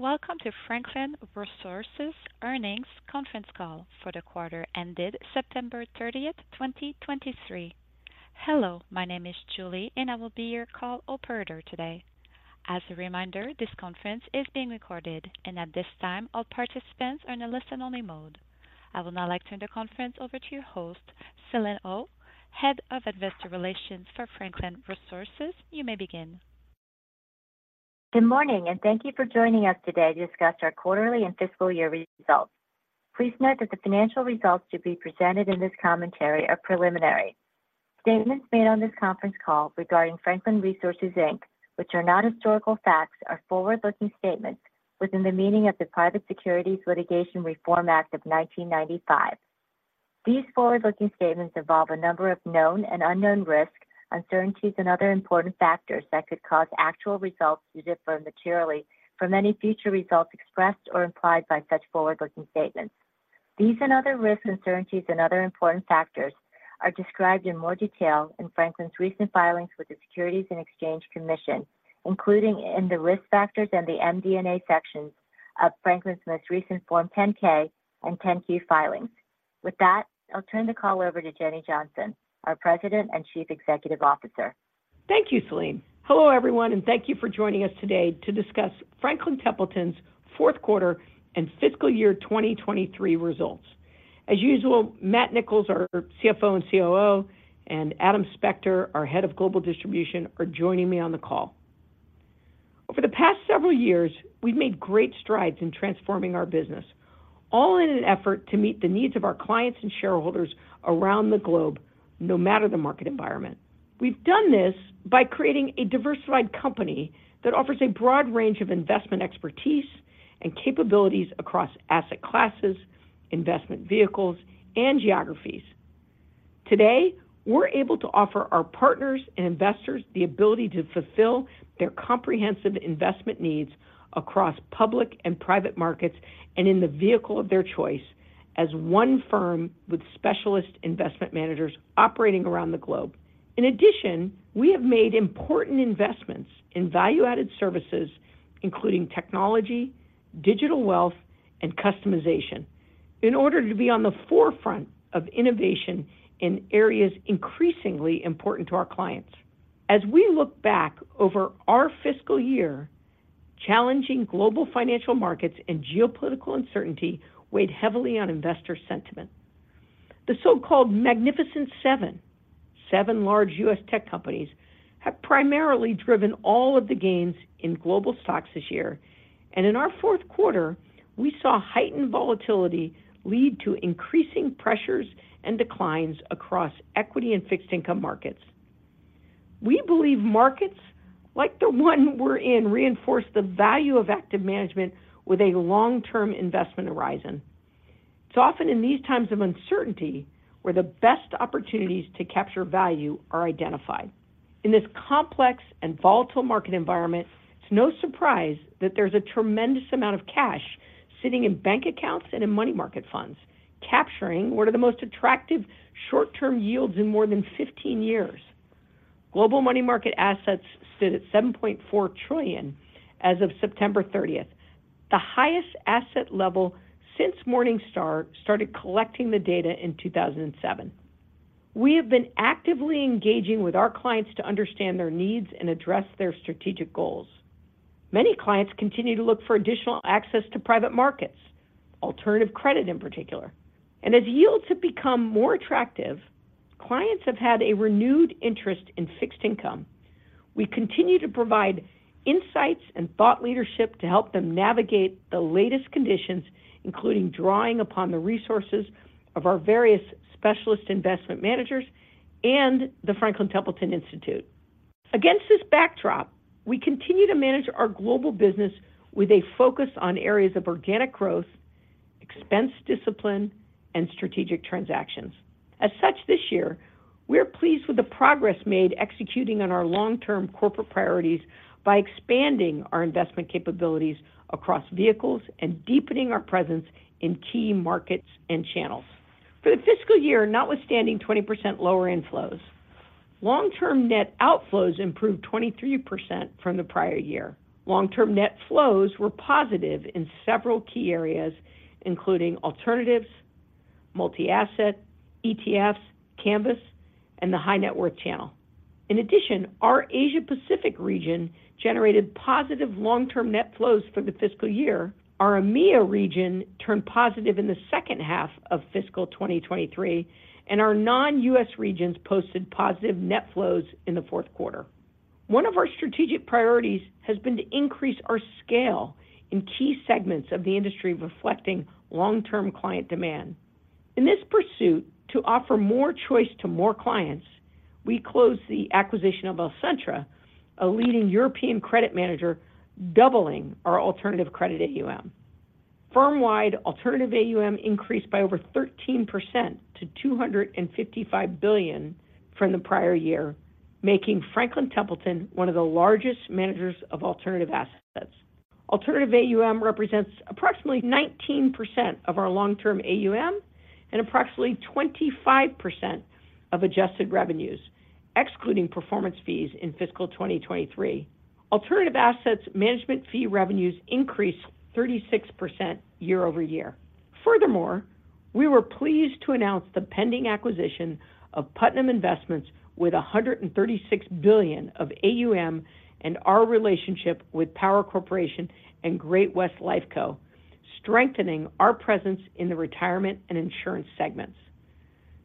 Welcome to Franklin Resources Earnings Conference Call for the quarter ended September 30th, 2023. Hello, my name is Julie, and I will be your call operator today. As a reminder, this conference is being recorded, and at this time all participants are in a listen-only mode. I would now like to turn the conference over to your host, Selene Oh, Head of Investor Relations for Franklin Resources. You may begin. Good morning, and thank you for joining us today to discuss our quarterly and fiscal year results. Please note that the financial results to be presented in this commentary are preliminary. Statements made on this conference call regarding Franklin Resources, Inc., which are not historical facts, are forward-looking statements within the meaning of the Private Securities Litigation Reform Act of 1995. These forward-looking statements involve a number of known and unknown risks, uncertainties, and other important factors that could cause actual results to differ materially from any future results expressed or implied by such forward-looking statements. These and other risk uncertainties and other important factors are described in more detail in Franklin's recent filings with the Securities and Exchange Commission, including in the Risk Factors and the MD&A sections of Franklin's most recent Form 10-K and 10-Q filings. With that, I'll turn the call over to Jenny Johnson, our President and Chief Executive Officer. Thank you, Selene. Hello, everyone, and thank you for joining us today to discuss Franklin Templeton's fourth quarter and fiscal year 2023 results. As usual, Matt Nicholls, our CFO and COO, and Adam Spector, our Head of Global Distribution, are joining me on the call. Over the past several years, we've made great strides in transforming our business, all in an effort to meet the needs of our clients and shareholders around the globe, no matter the market environment. We've done this by creating a diversified company that offers a broad range of investment expertise and capabilities across asset classes, investment vehicles, and geographies. Today, we're able to offer our partners and investors the ability to fulfill their comprehensive investment needs across public and private markets and in the vehicle of their choice as one firm with specialist investment managers operating around the globe. In addition, we have made important investments in value-added services, including technology, digital wealth, and customization, in order to be on the forefront of innovation in areas increasingly important to our clients. As we look back over our fiscal year, challenging global financial markets and geopolitical uncertainty weighed heavily on investor sentiment. The so-called Magnificent Seven, seven large U.S. tech companies, have primarily driven all of the gains in global stocks this year. In our fourth quarter, we saw heightened volatility lead to increasing pressures and declines across equity and fixed income markets. We believe markets like the one we're in reinforce the value of active management with a long-term investment horizon. It's often in these times of uncertainty, where the best opportunities to capture value are identified. In this complex and volatile market environment, it's no surprise that there's a tremendous amount of cash sitting in bank accounts and in money market funds, capturing one of the most attractive short-term yields in more than 15 years. Global money market assets stood at $7.4 trillion as of September 30, the highest asset level since Morningstar started collecting the data in 2007. We have been actively engaging with our clients to understand their needs and address their strategic goals. Many clients continue to look for additional access to private markets, alternative credit in particular. As yields have become more attractive, clients have had a renewed interest in fixed income. We continue to provide insights and thought leadership to help them navigate the latest conditions, including drawing upon the resources of our various specialist investment managers and the Franklin Templeton Institute. Against this backdrop, we continue to manage our global business with a focus on areas of organic growth, expense discipline, and strategic transactions. As such, this year, we are pleased with the progress made executing on our long-term corporate priorities by expanding our investment capabilities across vehicles and deepening our presence in key markets and channels. For the fiscal year, notwithstanding 20% lower inflows, long-term net outflows improved 23% from the prior year. Long-term net flows were positive in several key areas, including alternatives, multi-asset, ETFs, Canvas, and the high net worth channel. In addition, our Asia Pacific region generated positive long-term net flows for the fiscal year. Our EMEA region turned positive in the second half of fiscal 2023, and our non-US regions posted positive net flows in the fourth quarter. One of our strategic priorities has been to increase our scale in key segments of the industry, reflecting long-term client demand. In this pursuit to offer more choice to more clients, we closed the acquisition of Alcentra, a leading European credit manager, doubling our alternative credit AUM. Firm-wide alternative AUM increased by over 13% to $255 billion from the prior year, making Franklin Templeton one of the largest managers of alternative assets. Alternative AUM represents approximately 19% of our long-term AUM and approximately 25% of adjusted revenues, excluding performance fees in fiscal 2023. Alternative assets management fee revenues increased 36% year-over-year. Furthermore, we were pleased to announce the pending acquisition of Putnam Investments with $136 billion of AUM and our relationship with Power Corporation and Great-West Lifeco, strengthening our presence in the retirement and insurance segments.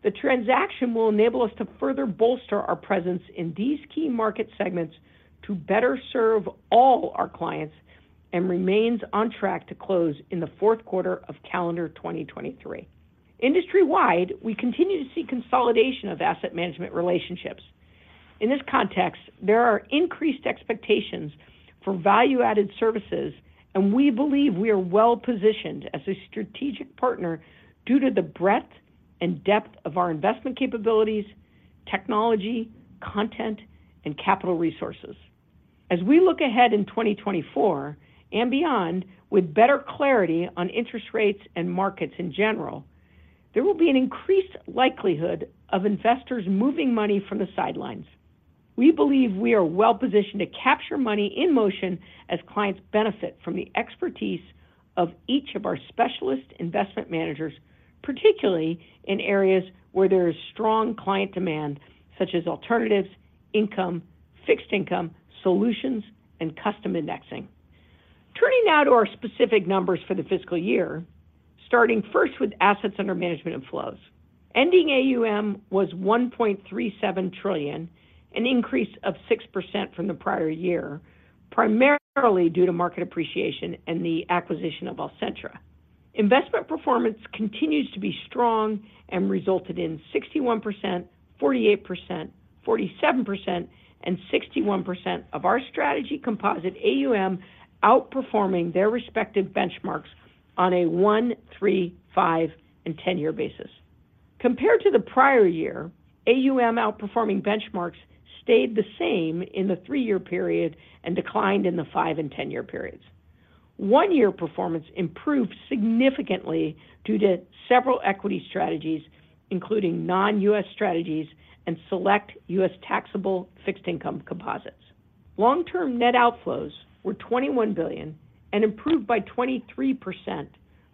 The transaction will enable us to further bolster our presence in these key market segments to better serve all our clients and remains on track to close in the fourth quarter of calendar 2023. Industry-wide, we continue to see consolidation of asset management relationships. In this context, there are increased expectations for value-added services, and we believe we are well-positioned as a strategic partner due to the breadth and depth of our investment capabilities, technology, content, and capital resources. As we look ahead in 2024 and beyond with better clarity on interest rates and markets in general, there will be an increased likelihood of investors moving money from the sidelines. We believe we are well-positioned to capture money in motion as clients benefit from the expertise of each of our specialist investment managers, particularly in areas where there is strong client demand, such as alternatives, income, fixed income, solutions, and custom indexing. Turning now to our specific numbers for the fiscal year, starting first with assets under management and flows. Ending AUM was $1.37 trillion, an increase of 6% from the prior year, primarily due to market appreciation and the acquisition of Alcentra. Investment performance continues to be strong and resulted in 61%, 48%, 47%, and 61% of our strategy composite AUM outperforming their respective benchmarks on a 1-, 3-, 5-, and 10-year basis. Compared to the prior year, AUM outperforming benchmarks stayed the same in the 3-year period and declined in the 5- and 10-year periods. One-year performance improved significantly due to several equity strategies, including non-U.S. strategies and select U.S. taxable fixed income composites. Long-term net outflows were $21 billion and improved by 23%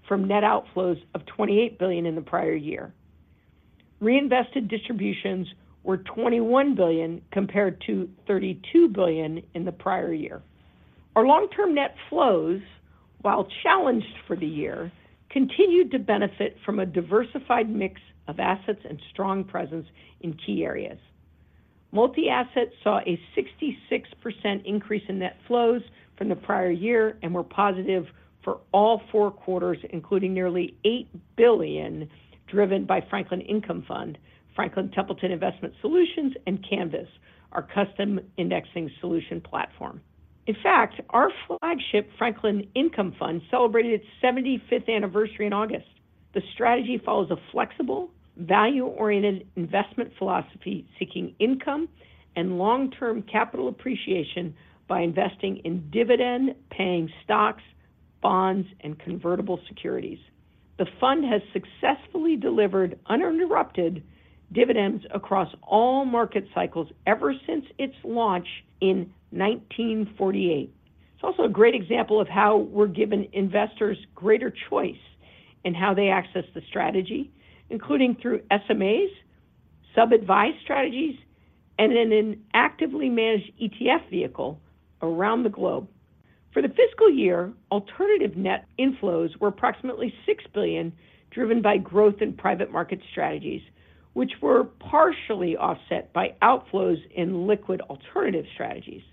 from net outflows of $28 billion in the prior year. Reinvested distributions were $21 billion compared to $32 billion in the prior year. Our long-term net flows, while challenged for the year, continued to benefit from a diversified mix of assets and strong presence in key areas. Multi-asset saw a 66% increase in net flows from the prior year and were positive for all four quarters, including nearly $8 billion, driven by Franklin Income Fund, Franklin Templeton Investment Solutions, and Canvas, our custom indexing solution platform. In fact, our flagship Franklin Income Fund celebrated its 75th anniversary in August. The strategy follows a flexible, value-oriented investment philosophy seeking income and long-term capital appreciation by investing in dividend-paying stocks, bonds, and convertible securities. The fund has successfully delivered uninterrupted dividends across all market cycles ever since its launch in 1948. It's also a great example of how we're giving investors greater choice in how they access the strategy, including through SMAs, sub-advised strategies, and in an actively managed ETF vehicle around the globe. For the fiscal year, alternative net inflows were approximately $6 billion, driven by growth in private market strategies, which were partially offset by outflows in liquid alternative strategies.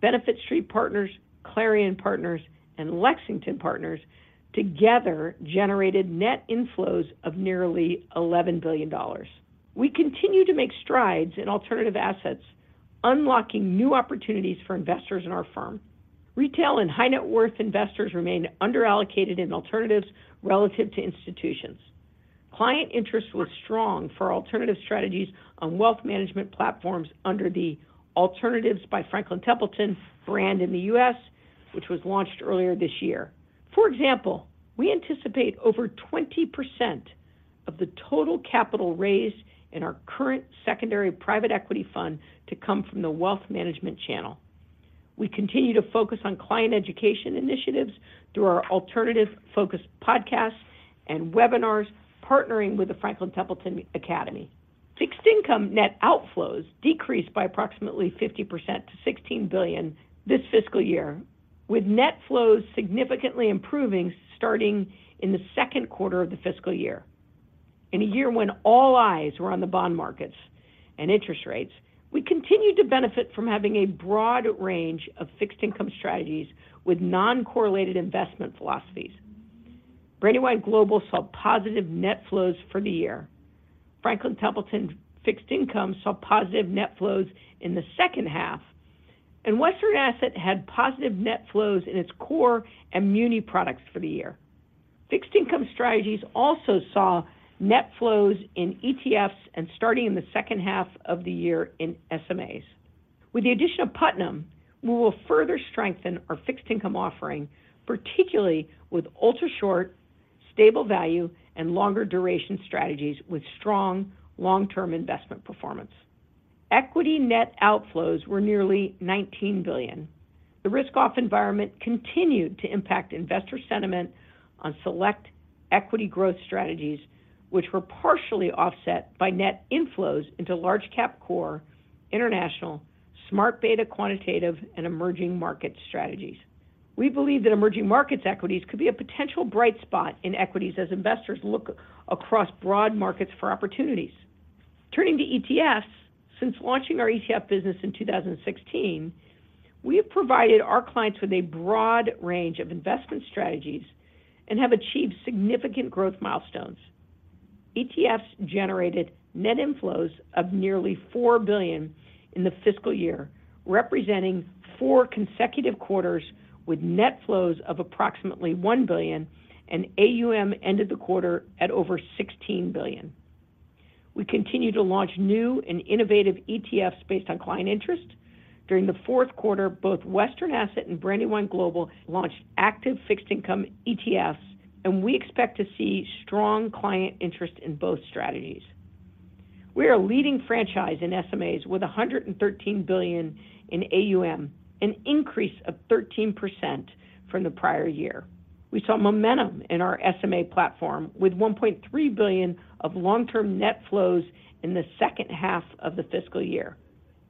Benefit Street Partners, Clarion Partners, and Lexington Partners together generated net inflows of nearly $11 billion. We continue to make strides in alternative assets, unlocking new opportunities for investors in our firm. Retail and high net worth investors remain underallocated in alternatives relative to institutions. Client interest was strong for alternative strategies on wealth management platforms under the Alternatives by Franklin Templeton brand in the U.S., which was launched earlier this year. For example, we anticipate over 20% of the total capital raised in our current secondary private equity fund to come from the wealth management channel. We continue to focus on client education initiatives through our alternative-focused podcasts and webinars, partnering with the Franklin Templeton Academy. Fixed income net outflows decreased by approximately 50% to $16 billion this fiscal year, with net flows significantly improving starting in the second quarter of the fiscal year. In a year when all eyes were on the bond markets and interest rates, we continued to benefit from having a broad range of fixed income strategies with non-correlated investment philosophies. Brandywine Global saw positive net flows for the year. Franklin Templeton Fixed Income saw positive net flows in the second half, and Western Asset had positive net flows in its core and muni products for the year. Fixed income strategies also saw net flows in ETFs and, starting in the second half of the year, in SMAs. With the addition of Putnam, we will further strengthen our fixed income offering, particularly with ultra-short-... stable value, and longer duration strategies with strong long-term investment performance. Equity net outflows were nearly $19 billion. The risk-off environment continued to impact investor sentiment on select equity growth strategies, which were partially offset by net inflows into large cap core, international, smart beta, quantitative, and emerging market strategies. We believe that emerging markets equities could be a potential bright spot in equities as investors look across broad markets for opportunities. Turning to ETFs, since launching our ETF business in 2016, we have provided our clients with a broad range of investment strategies and have achieved significant growth milestones. ETFs generated net inflows of nearly $4 billion in the fiscal year, representing four consecutive quarters with net flows of approximately $1 billion, and AUM ended the quarter at over $16 billion. We continue to launch new and innovative ETFs based on client interest. During the fourth quarter, both Western Asset and Brandywine Global launched active fixed income ETFs, and we expect to see strong client interest in both strategies. We are a leading franchise in SMAs with $113 billion in AUM, an increase of 13% from the prior year. We saw momentum in our SMA platform with $1.3 billion of long-term net flows in the second half of the fiscal year.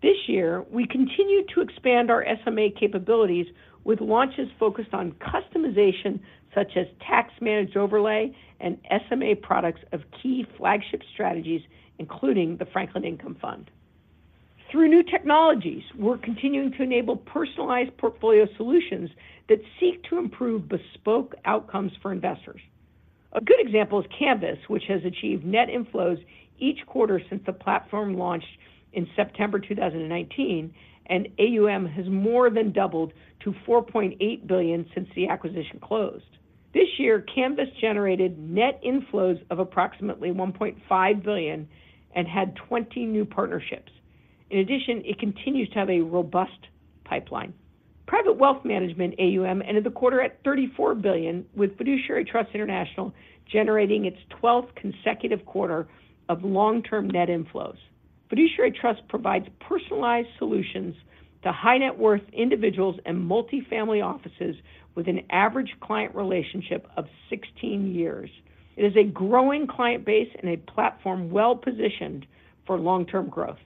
This year, we continued to expand our SMA capabilities with launches focused on customization, such as tax-managed overlay and SMA products of key flagship strategies, including the Franklin Income Fund. Through new technologies, we're continuing to enable personalized portfolio solutions that seek to improve bespoke outcomes for investors. A good example is Canvas, which has achieved net inflows each quarter since the platform launched in September 2019, and AUM has more than doubled to $4.8 billion since the acquisition closed. This year, Canvas generated net inflows of approximately $1.5 billion and had 20 new partnerships. In addition, it continues to have a robust pipeline. Private wealth management AUM ended the quarter at $34 billion, with Fiduciary Trust International generating its 12th consecutive quarter of long-term net inflows. Fiduciary Trust provides personalized solutions to high-net-worth individuals and multifamily offices with an average client relationship of 16 years. It is a growing client base and a platform well-positioned for long-term growth.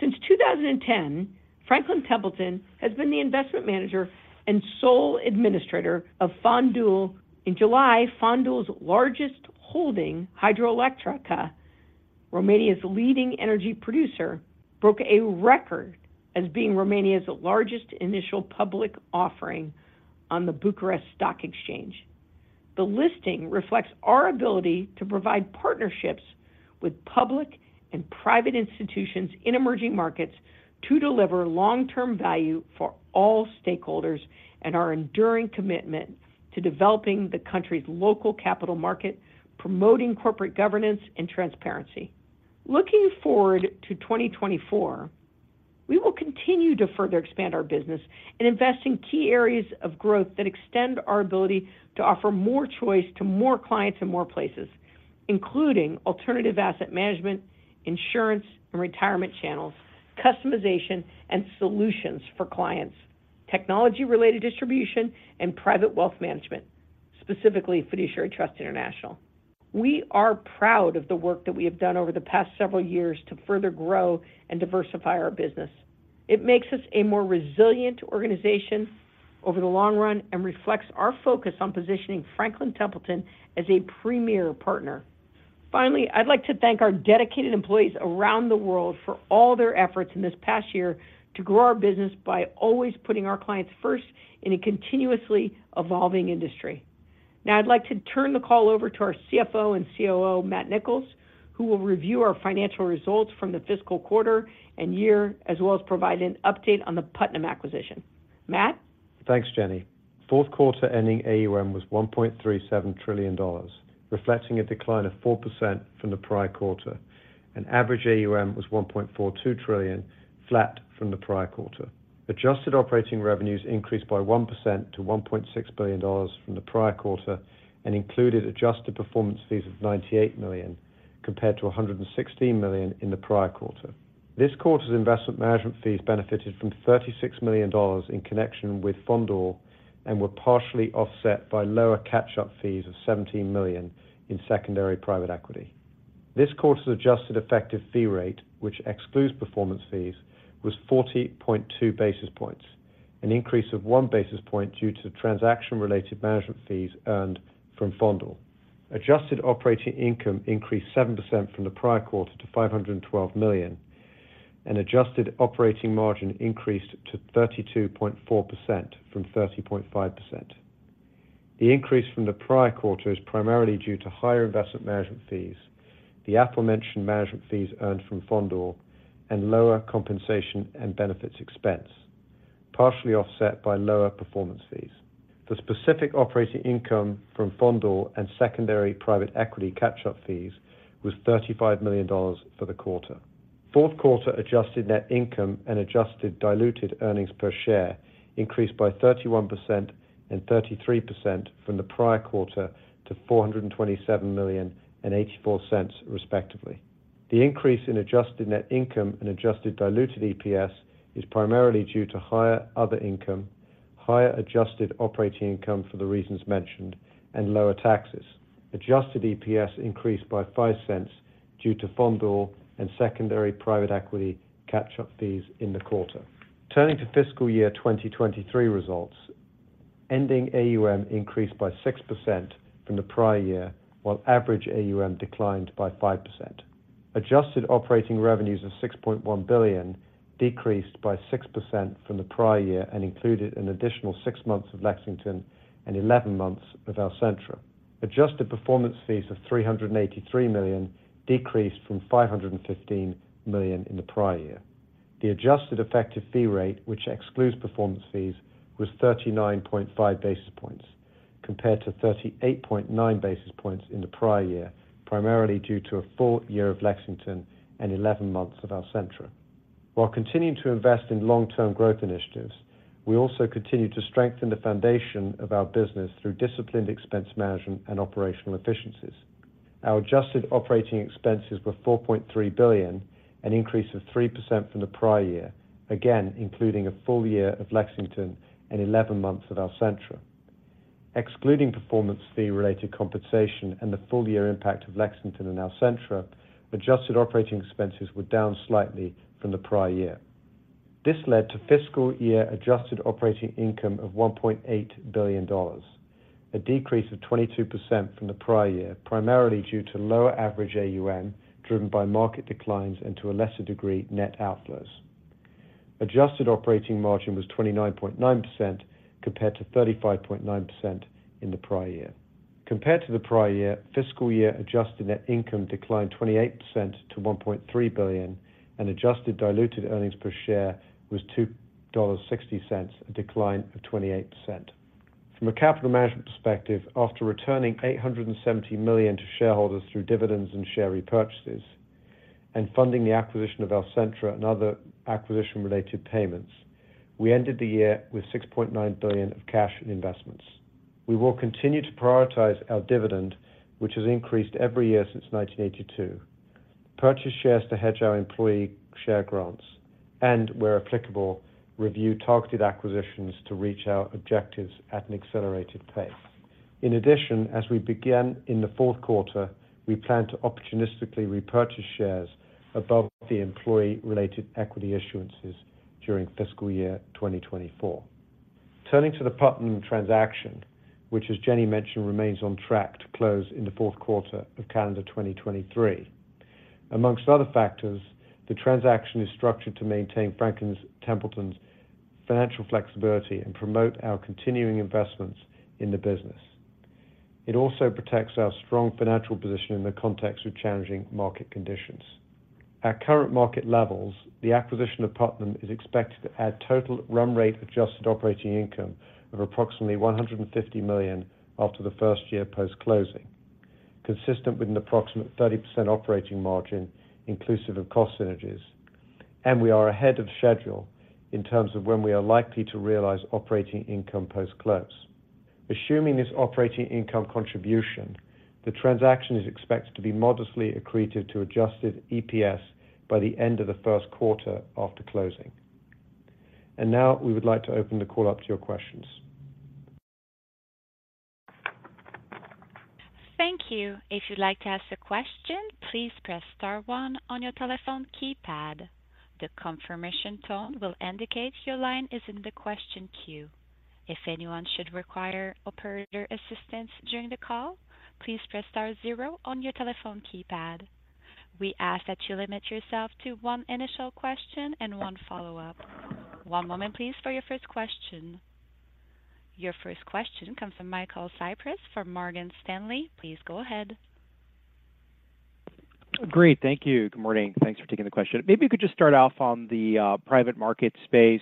Since 2010, Franklin Templeton has been the investment manager and sole administrator of Fondul. In July, Fondul's largest holding, Hidroelectrica, Romania's leading energy producer, broke a record as being Romania's largest initial public offering on the Bucharest Stock Exchange. The listing reflects our ability to provide partnerships with public and private institutions in emerging markets to deliver long-term value for all stakeholders and our enduring commitment to developing the country's local capital market, promoting corporate governance and transparency. Looking forward to 2024, we will continue to further expand our business and invest in key areas of growth that extend our ability to offer more choice to more clients in more places, including alternative asset management, insurance and retirement channels, customization and solutions for clients, technology-related distribution, and private wealth management, specifically Fiduciary Trust International. We are proud of the work that we have done over the past several years to further grow and diversify our business. It makes us a more resilient organization over the long run and reflects our focus on positioning Franklin Templeton as a premier partner. Finally, I'd like to thank our dedicated employees around the world for all their efforts in this past year to grow our business by always putting our clients first in a continuously evolving industry. Now, I'd like to turn the call over to our CFO and COO, Matt Nicholls, who will review our financial results from the fiscal quarter and year, as well as provide an update on the Putnam acquisition. Matt? Thanks, Jenny. Fourth quarter ending AUM was $1.37 trillion, reflecting a decline of 4% from the prior quarter, and average AUM was $1.42 trillion, flat from the prior quarter. Adjusted operating revenues increased by 1% to $1.6 billion from the prior quarter and included adjusted performance fees of $98 million, compared to $116 million in the prior quarter. This quarter's investment management fees benefited from $36 million in connection with Fondul and were partially offset by lower catch-up fees of $17 million in secondary private equity. This quarter's adjusted effective fee rate, which excludes performance fees, was 40.2 basis points, an increase of 1 basis point due to transaction-related management fees earned from Fondul. Adjusted operating income increased 7% from the prior quarter to $512 million, and adjusted operating margin increased to 32.4% from 30.5%. The increase from the prior quarter is primarily due to higher investment management fees, the aforementioned management fees earned from Fondul, and lower compensation and benefits expense, partially offset by lower performance fees. The specific operating income from Fondul and secondary private equity catch-up fees was $35 million for the quarter. Fourth quarter adjusted net income and adjusted diluted earnings per share increased by 31% and 33% from the prior quarter to $427 million and $0.84, respectively. The increase in adjusted net income and adjusted diluted EPS is primarily due to higher other income, higher adjusted operating income for the reasons mentioned, and lower taxes. Adjusted EPS increased by $0.05 due to Fondul and secondary private equity catch-up fees in the quarter. Turning to fiscal year 2023 results, ending AUM increased by 6% from the prior year, while average AUM declined by 5%. Adjusted operating revenues of $6.1 billion decreased by 6% from the prior year and included an additional 6 months of Lexington and 11 months of Alcentra. Adjusted performance fees of $383 million decreased from $515 million in the prior year. The adjusted effective fee rate, which excludes performance fees, was 39.5 basis points, compared to 38.9 basis points in the prior year, primarily due to a full year of Lexington and 11 months of Alcentra. While continuing to invest in long-term growth initiatives, we also continue to strengthen the foundation of our business through disciplined expense management and operational efficiencies. Our adjusted operating expenses were $4.3 billion, an increase of 3% from the prior year, again, including a full year of Lexington and 11 months of Alcentra. Excluding performance fee-related compensation and the full year impact of Lexington and Alcentra, adjusted operating expenses were down slightly from the prior year. This led to fiscal year adjusted operating income of $1.8 billion, a decrease of 22% from the prior year, primarily due to lower average AUM, driven by market declines and, to a lesser degree, net outflows. Adjusted operating margin was 29.9%, compared to 35.9% in the prior year. Compared to the prior year, fiscal year adjusted net income declined 28% to $1.3 billion, and adjusted diluted earnings per share was $2.60, a decline of 28%. From a capital management perspective, after returning $870 million to shareholders through dividends and share repurchases and funding the acquisition of Alcentra and other acquisition-related payments, we ended the year with $6.9 billion of cash and investments. We will continue to prioritize our dividend, which has increased every year since 1982, purchase shares to hedge our employee share grants, and, where applicable, review targeted acquisitions to reach our objectives at an accelerated pace. In addition, as we began in the fourth quarter, we plan to opportunistically repurchase shares above the employee-related equity issuances during fiscal year 2024. Turning to the Putnam transaction, which, as Jenny mentioned, remains on track to close in the fourth quarter of calendar 2023. Among other factors, the transaction is structured to maintain Franklin Templeton's financial flexibility and promote our continuing investments in the business. It also protects our strong financial position in the context of challenging market conditions. At current market levels, the acquisition of Putnam is expected to add total run rate adjusted operating income of approximately $150 million after the first year post-closing, consistent with an approximate 30% operating margin, inclusive of cost synergies. And we are ahead of schedule in terms of when we are likely to realize operating income post-close. Assuming this operating income contribution, the transaction is expected to be modestly accretive to adjusted EPS by the end of the first quarter after closing. Now, we would like to open the call up to your questions. Thank you. If you'd like to ask a question, please press star one on your telephone keypad. The confirmation tone will indicate your line is in the question queue. If anyone should require operator assistance during the call, please press star zero on your telephone keypad. We ask that you limit yourself to one initial question and one follow-up. One moment, please, for your first question. Your first question comes from Michael Cypris from Morgan Stanley. Please go ahead. Great. Thank you. Good morning. Thanks for taking the question. Maybe you could just start off on the private market space.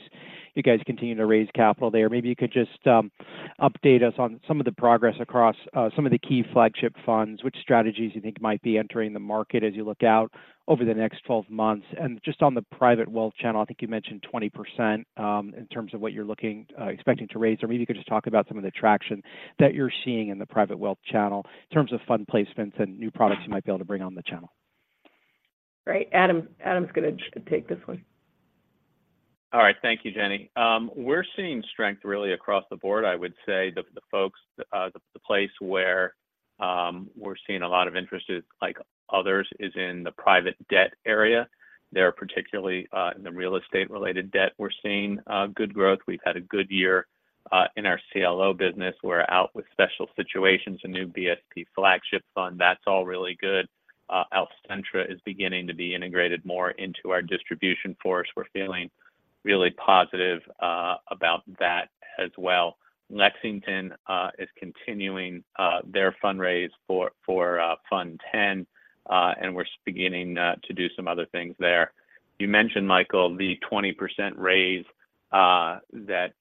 You guys continue to raise capital there. Maybe you could just update us on some of the progress across some of the key flagship funds, which strategies you think might be entering the market as you look out over the next 12 months. And just on the private wealth channel, I think you mentioned 20%, in terms of what you're looking, expecting to raise, or maybe you could just talk about some of the traction that you're seeing in the private wealth channel in terms of fund placements and new products you might be able to bring on the channel. Great. Adam, Adam's gonna take this one. All right. Thank you, Jenny. We're seeing strength really across the board. I would say that the folks, the place where we're seeing a lot of interest is, like others, is in the private debt area. They're particularly in the real estate-related debt, we're seeing good growth. We've had a good year in our CLO business. We're out with Special Situations, a new BSP flagship fund. That's all really good. Alcentra is beginning to be integrated more into our distribution force. We're feeling really positive about that as well. Lexington is continuing their fundraise for Fund Ten, and we're beginning to do some other things there. You mentioned, Michael, the 20% raise that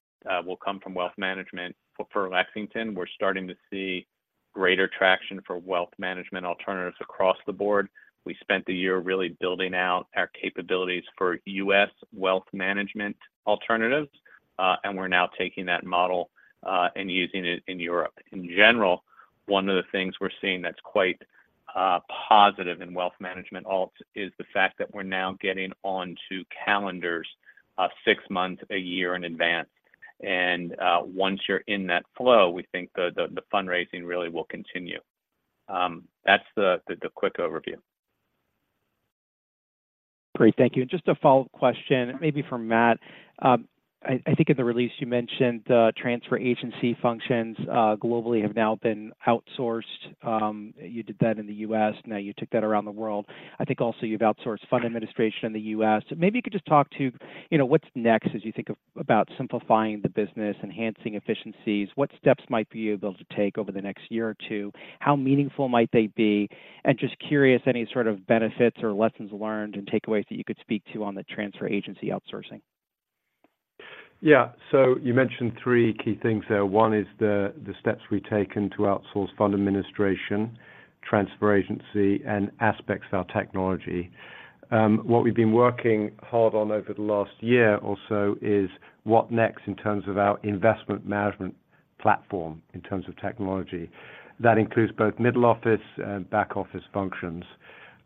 will come from wealth management for Lexington. We're starting to see- ... greater traction for wealth management alternatives across the board. We spent the year really building out our capabilities for U.S. wealth management alternatives, and we're now taking that model and using it in Europe. In general, one of the things we're seeing that's quite positive in wealth management alts is the fact that we're now getting onto calendars six months, a year in advance. And once you're in that flow, we think the fundraising really will continue. That's the quick overview. Great. Thank you. And just a follow-up question, maybe for Matt. I think in the release you mentioned, transfer agency functions globally have now been outsourced. You did that in the U.S., now you took that around the world. I think also you've outsourced fund administration in the U.S.. So maybe you could just talk to, you know, what's next as you think about simplifying the business, enhancing efficiencies. What steps might be able to take over the next year or two? How meaningful might they be? And just curious, any sort of benefits or lessons learned and takeaways that you could speak to on the transfer agency outsourcing? Yeah. So you mentioned three key things there. One is the steps we've taken to outsource fund administration, transfer agency, and aspects of our technology. What we've been working hard on over the last year or so is what next in terms of our investment management platform, in terms of technology. That includes both middle office and back office functions.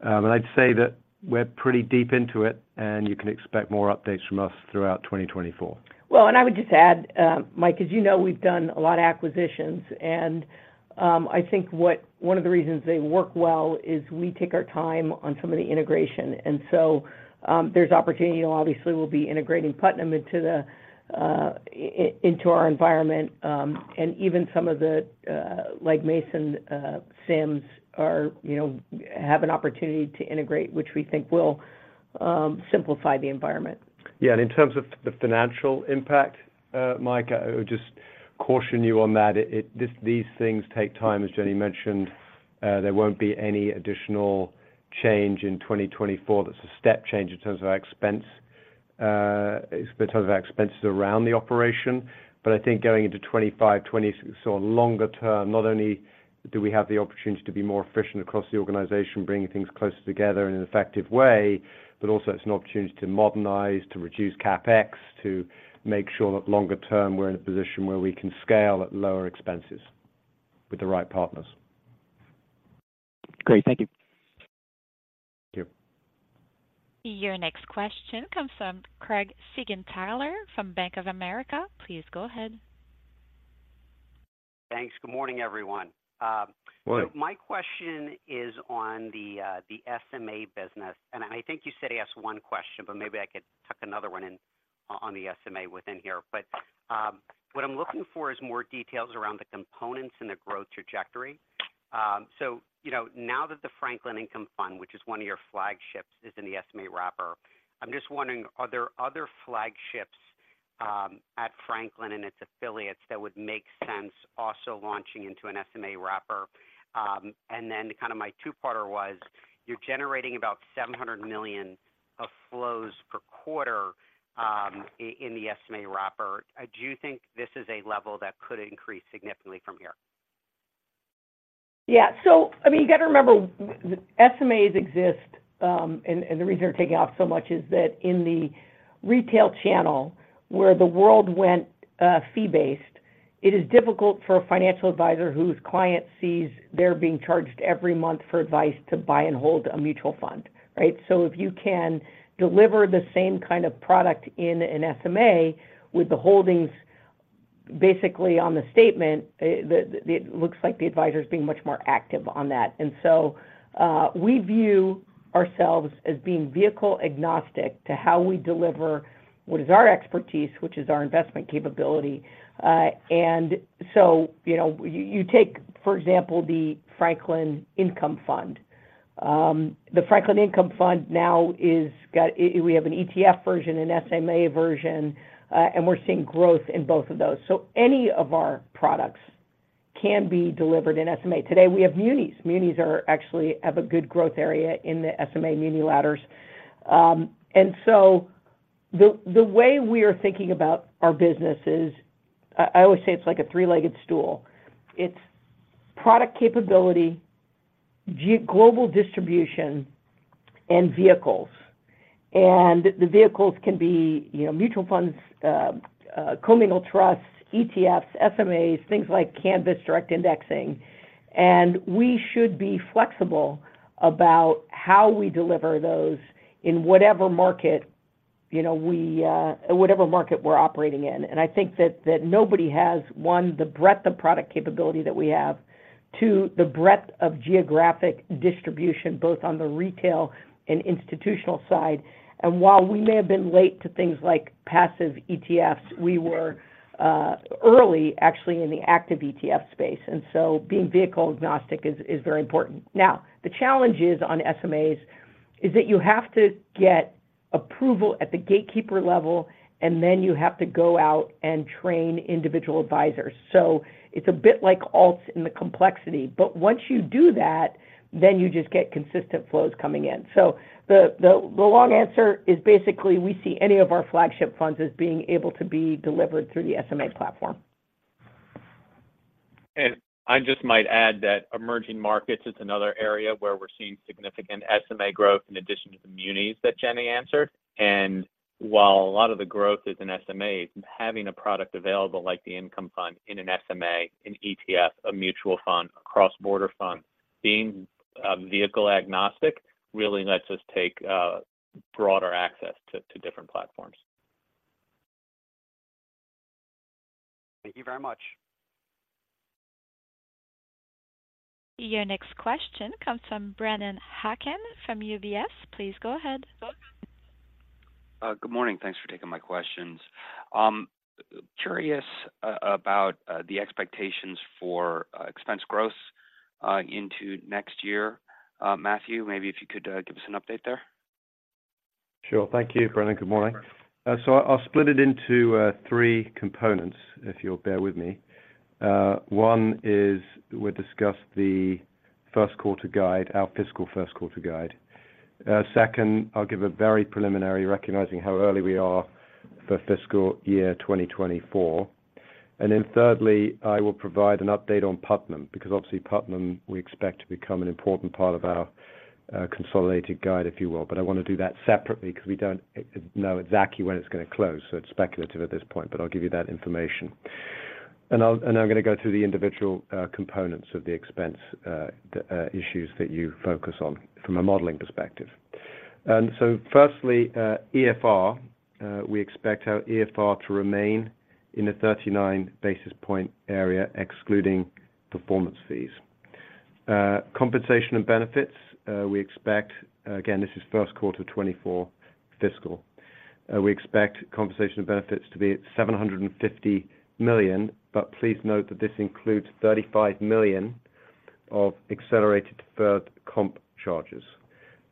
And I'd say that we're pretty deep into it, and you can expect more updates from us throughout 2024. Well, and I would just add, Mike, as you know, we've done a lot of acquisitions, and I think one of the reasons they work well is we take our time on some of the integration. And so, there's opportunity. Obviously, we'll be integrating Putnam into our environment, and even some of the, like, Legg Mason SIMs, you know, have an opportunity to integrate, which we think will simplify the environment. Yeah. And in terms of the financial impact, Mike, I would just caution you on that. It, these things take time. As Jenny mentioned, there won't be any additional change in 2024 that's a step change in terms of our expense, in terms of our expenses around the operation. But I think going into 2025, so longer term, not only do we have the opportunity to be more efficient across the organization, bringing things closer together in an effective way, but also it's an opportunity to modernize, to reduce CapEx, to make sure that longer term, we're in a position where we can scale at lower expenses with the right partners. Great. Thank you. Thank you. Your next question comes from Craig Siegenthaler from Bank of America. Please go ahead. Thanks. Good morning, everyone. Morning. So my question is on the SMA business, and I think you said ask one question, but maybe I could tuck another one in on the SMA within here. But what I'm looking for is more details around the components and the growth trajectory. So, you know, now that the Franklin Income Fund, which is one of your flagships, is in the SMA wrapper, I'm just wondering, are there other flagships at Franklin and its affiliates that would make sense also launching into an SMA wrapper? And then kind of my two-parter was, you're generating about $700 million of flows per quarter in the SMA wrapper. Do you think this is a level that could increase significantly from here? Yeah. So, I mean, you got to remember, SMAs exist, and the reason they're taking off so much is that in the retail channel, where the world went fee-based, it is difficult for a financial advisor whose client sees they're being charged every month for advice to buy and hold a mutual fund, right? So if you can deliver the same kind of product in an SMA with the holdings, basically on the statement, it looks like the advisor is being much more active on that. And so, we view ourselves as being vehicle agnostic to how we deliver what is our expertise, which is our investment capability. And so, you know, you take, for example, the Franklin Income Fund. The Franklin Income Fund now is got... We have an ETF version, an SMA version, and we're seeing growth in both of those. So any of our products can be delivered in SMA. Today, we have munis. Munis actually have a good growth area in the SMA muni ladders. And so the way we are thinking about our business is, I always say it's like a three-legged stool. It's product capability, global distribution, and vehicles. And the vehicles can be, you know, mutual funds, communal trusts, ETFs, SMAs, things like Canvas, direct indexing. And we should be flexible about how we deliver those in whatever market, you know, we whatever market we're operating in. And I think that nobody has, one, the breadth of product capability that we have, two, the breadth of geographic distribution, both on the retail and institutional side. While we may have been late to things like passive ETFs, we were early actually in the active ETF space, and so being vehicle agnostic is very important. Now, the challenge on SMAs is that you have to get approval at the gatekeeper level, and then you have to go out and train individual advisors. So it's a bit like alts in the complexity, but once you do that, then you just get consistent flows coming in. So the long answer is basically we see any of our flagship funds as being able to be delivered through the SMA platform.... And I just might add that emerging markets is another area where we're seeing significant SMA growth in addition to the munis that Jenny answered. And while a lot of the growth is in SMA, having a product available like the income fund in an SMA, an ETF, a mutual fund, a cross-border fund, being vehicle agnostic, really lets us take broader access to different platforms. Thank you very much. Your next question comes from Brennan Hawken from UBS. Please go ahead. Good morning. Thanks for taking my questions. Curious about the expectations for expense growth into next year. Matthew, maybe if you could give us an update there. Sure. Thank you, Brennan. Good morning. So I'll split it into three components, if you'll bear with me. One is we'll discuss the first quarter guide, our fiscal first quarter guide. Second, I'll give a very preliminary, recognizing how early we are for fiscal year 2024. And then thirdly, I will provide an update on Putnam, because obviously Putnam, we expect to become an important part of our consolidated guide, if you will. But I want to do that separately because we don't know exactly when it's going to close, so it's speculative at this point, but I'll give you that information. And I'll—and I'm going to go through the individual components of the expense, the issues that you focus on from a modeling perspective. So firstly, EFR. We expect our EFR to remain in a 39 basis point area, excluding performance fees. Compensation and benefits, we expect, again, this is first quarter 2024 fiscal. We expect compensation and benefits to be at $750 million, but please note that this includes $35 million of accelerated deferred comp charges.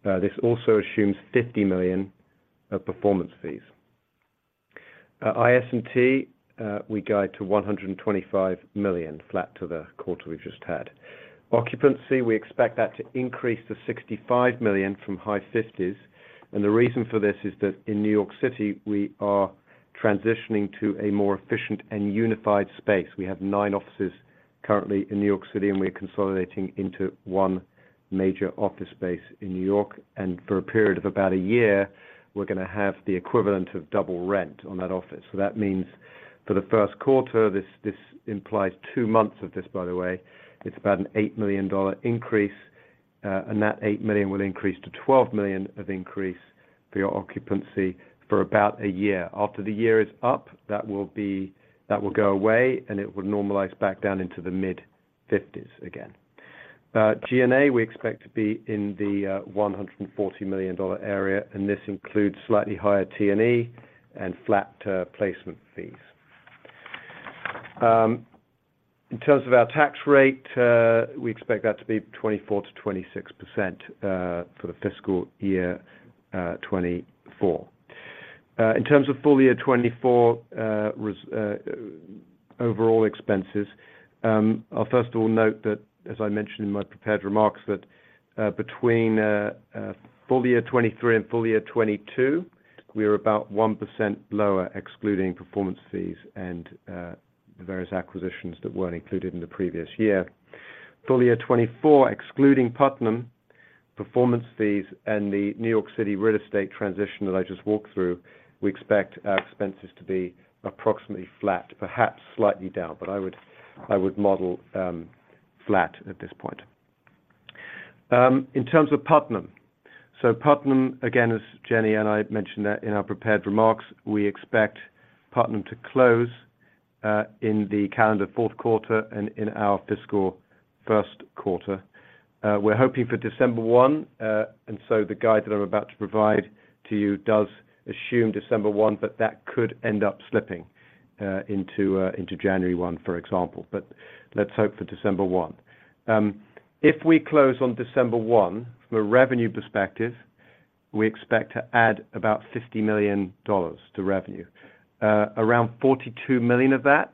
This also assumes $50 million of performance fees. IS&T, we guide to $125 million, flat to the quarter we just had. Occupancy, we expect that to increase to $65 million from high 50s, and the reason for this is that in New York City, we are transitioning to a more efficient and unified space. We have nine offices currently in New York City, and we're consolidating into one major office space in New York. For a period of about a year, we're going to have the equivalent of double rent on that office. So that means for the first quarter, this, this implies 2 months of this, by the way. It's about an $8 million increase, and that $8 million will increase to $12 million increase for your occupancy for about a year. After the year is up, that will be, that will go away, and it will normalize back down into the mid-fifties again. G&A, we expect to be in the $140 million area, and this includes slightly higher T&E and flat placement fees. In terms of our tax rate, we expect that to be 24%-26% for the fiscal year 2024. In terms of full year 2024, overall expenses, I'll first of all note that, as I mentioned in my prepared remarks, that, between full year 2023 and full year 2022, we were about 1% lower, excluding performance fees and the various acquisitions that weren't included in the previous year. Full year 2024, excluding Putnam performance fees and the New York City real estate transition that I just walked through, we expect our expenses to be approximately flat, perhaps slightly down, but I would model flat at this point. In terms of Putnam. So Putnam, again, as Jenny and I mentioned that in our prepared remarks, we expect Putnam to close in the calendar fourth quarter and in our fiscal first quarter. We're hoping for December one, and so the guide that I'm about to provide to you does assume December one, but that could end up slipping into January one, for example. But let's hope for December one. If we close on December one, from a revenue perspective, we expect to add about $50 million to revenue. Around $42 million of that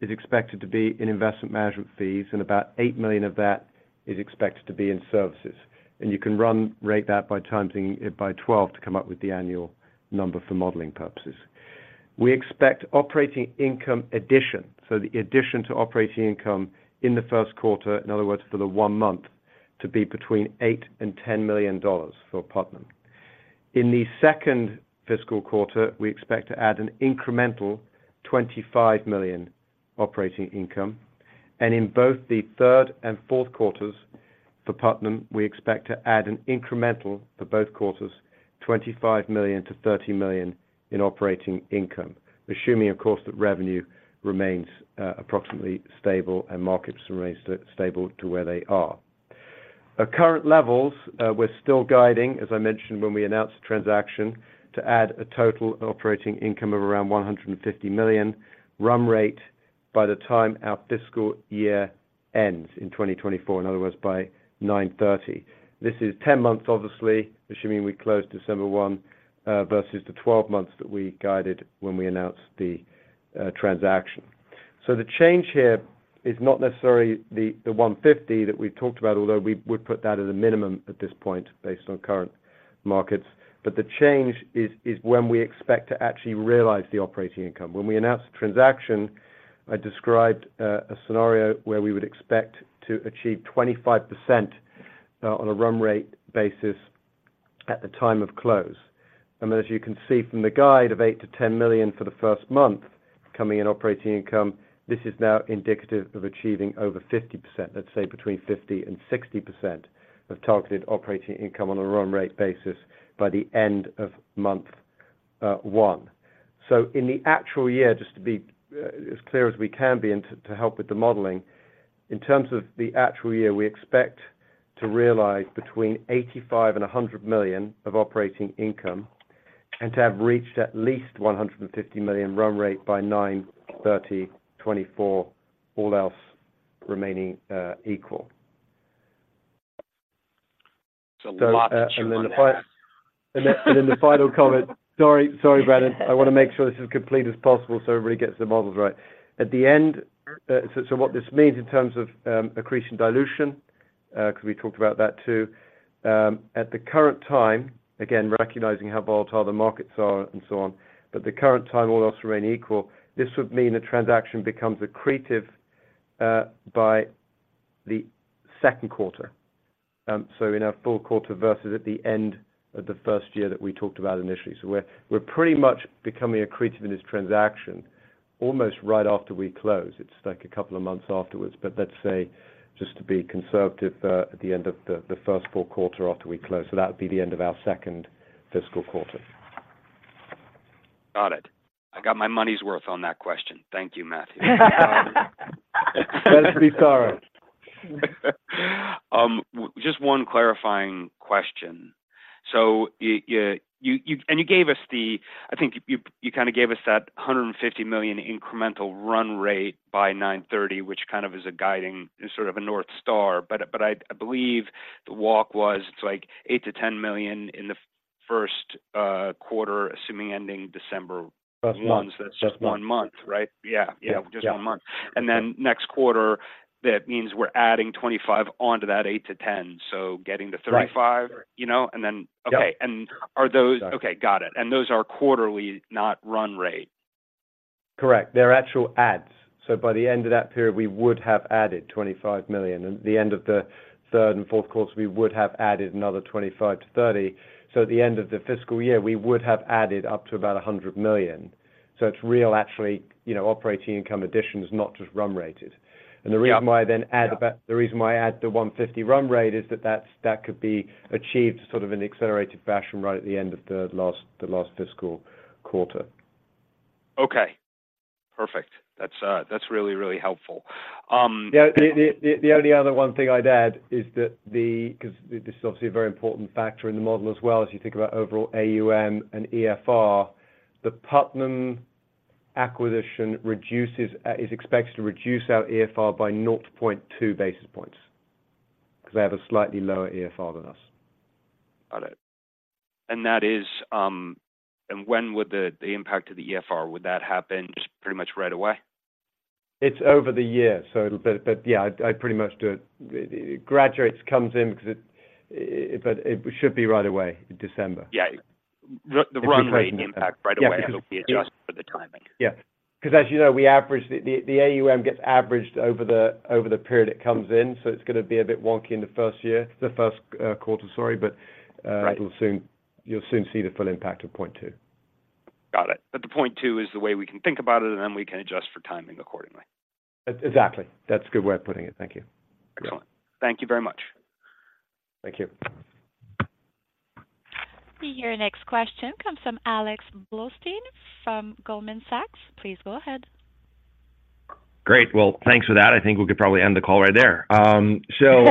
is expected to be in investment management fees, and about $8 million of that is expected to be in services. And you can run rate that by timesing it by 12 to come up with the annual number for modeling purposes. We expect operating income addition, so the addition to operating income in the first quarter, in other words, for the one month, to be between $8 million and $10 million for Putnam. In the second fiscal quarter, we expect to add an incremental $25 million operating income, and in both the third and fourth quarters for Putnam, we expect to add an incremental, for both quarters, $25 million-$30 million in operating income, assuming, of course, that revenue remains approximately stable and markets remains stable to where they are. At current levels, we're still guiding, as I mentioned when we announced the transaction, to add a total operating income of around $150 million run rate by the time our fiscal year ends in 2024, in other words, by 9/30. This is 10 months, obviously, assuming we close December 1, versus the 12 months that we guided when we announced the transaction. So the change here is not necessarily the one fifty that we talked about, although we would put that at a minimum at this point, based on current markets. But the change is, is when we expect to actually realize the operating income. When we announced the transaction, I described a scenario where we would expect to achieve 25% on a run rate basis at the time of close. And as you can see from the guide of $8 million-$10 million for the first month, coming in operating income, this is now indicative of achieving over 50%, let's say between 50% and 60% of targeted operating income on a run rate basis by the end of month one. In the actual year, just to be as clear as we can be, and to help with the modeling, in terms of the actual year, we expect to realize between $85 million and $100 million of operating income, and to have reached at least $150 million run rate by 9/30/2024, all else remaining equal. A lot to chew on that. The final comment. Sorry, Brennan. I want to make sure this is complete as possible, so everybody gets their models right. At the end, so what this means in terms of accretion dilution, because we talked about that, too. At the current time, again, recognizing how volatile the markets are and so on, but the current time, all else remaining equal, this would mean the transaction becomes accretive by the second quarter. So in our full quarter versus at the end of the first year that we talked about initially. So we're pretty much becoming accretive in this transaction, almost right after we close. It's like a couple of months afterwards. Let's say, just to be conservative, at the end of the first full quarter after we close, so that would be the end of our second fiscal quarter. Got it. I got my money's worth on that question. Thank you, Matthew. Let's be thorough. Just one clarifying question. So you gave us—I think you kind of gave us that $150 million incremental run rate by 9/30, which kind of is a guiding, is sort of a North Star. But I believe the walk was, it's like $8 million-$10 million in the first quarter, assuming ending December- First month. Months. That's just one month, right? Yeah. Yeah. Just one month. And then next quarter, that means we're adding 25 onto that 8-10. So getting to 35- Right. you know, and then... Yeah. Okay, and are those? Okay, got it. And those are quarterly, not run rate. Correct. They're actual adds. So by the end of that period, we would have added $25 million. At the end of the third and fourth quarters, we would have added another $25-$30 million. So at the end of the fiscal year, we would have added up to about $100 million. So it's real actually, you know, operating income additions, not just run rated. Yeah. The reason why I add the $150 run rate is that, that could be achieved sort of in an accelerated fashion right at the end of the last fiscal quarter. Okay, perfect. That's really, really helpful. Yeah, the only other thing I'd add is that... Because this is obviously a very important factor in the model as well, as you think about overall AUM and EFR, the Putnam acquisition is expected to reduce our EFR by 0.2 basis points, because they have a slightly lower EFR than us. Got it. When would the impact of the EFR? Would that happen just pretty much right away? It's over the year. But yeah, I'd pretty much do it. It graduates, comes in, because it but it should be right away in December. Yeah. The run rate impact right away- Yeah. it'll be adjusted for the timing. Yeah. Because as you know, we average the AUM gets averaged over the period it comes in, so it's going to be a bit wonky in the first year, the first quarter, sorry, but, Right... you'll soon see the full impact of 0.2. Got it. But the point 2 is the way we can think about it, and then we can adjust for timing accordingly. Exactly. That's a good way of putting it. Thank you. Excellent. Thank you very much. Thank you. Your next question comes from Alex Blostein, from Goldman Sachs. Please go ahead. Great. Well, thanks for that. I think we could probably end the call right there. So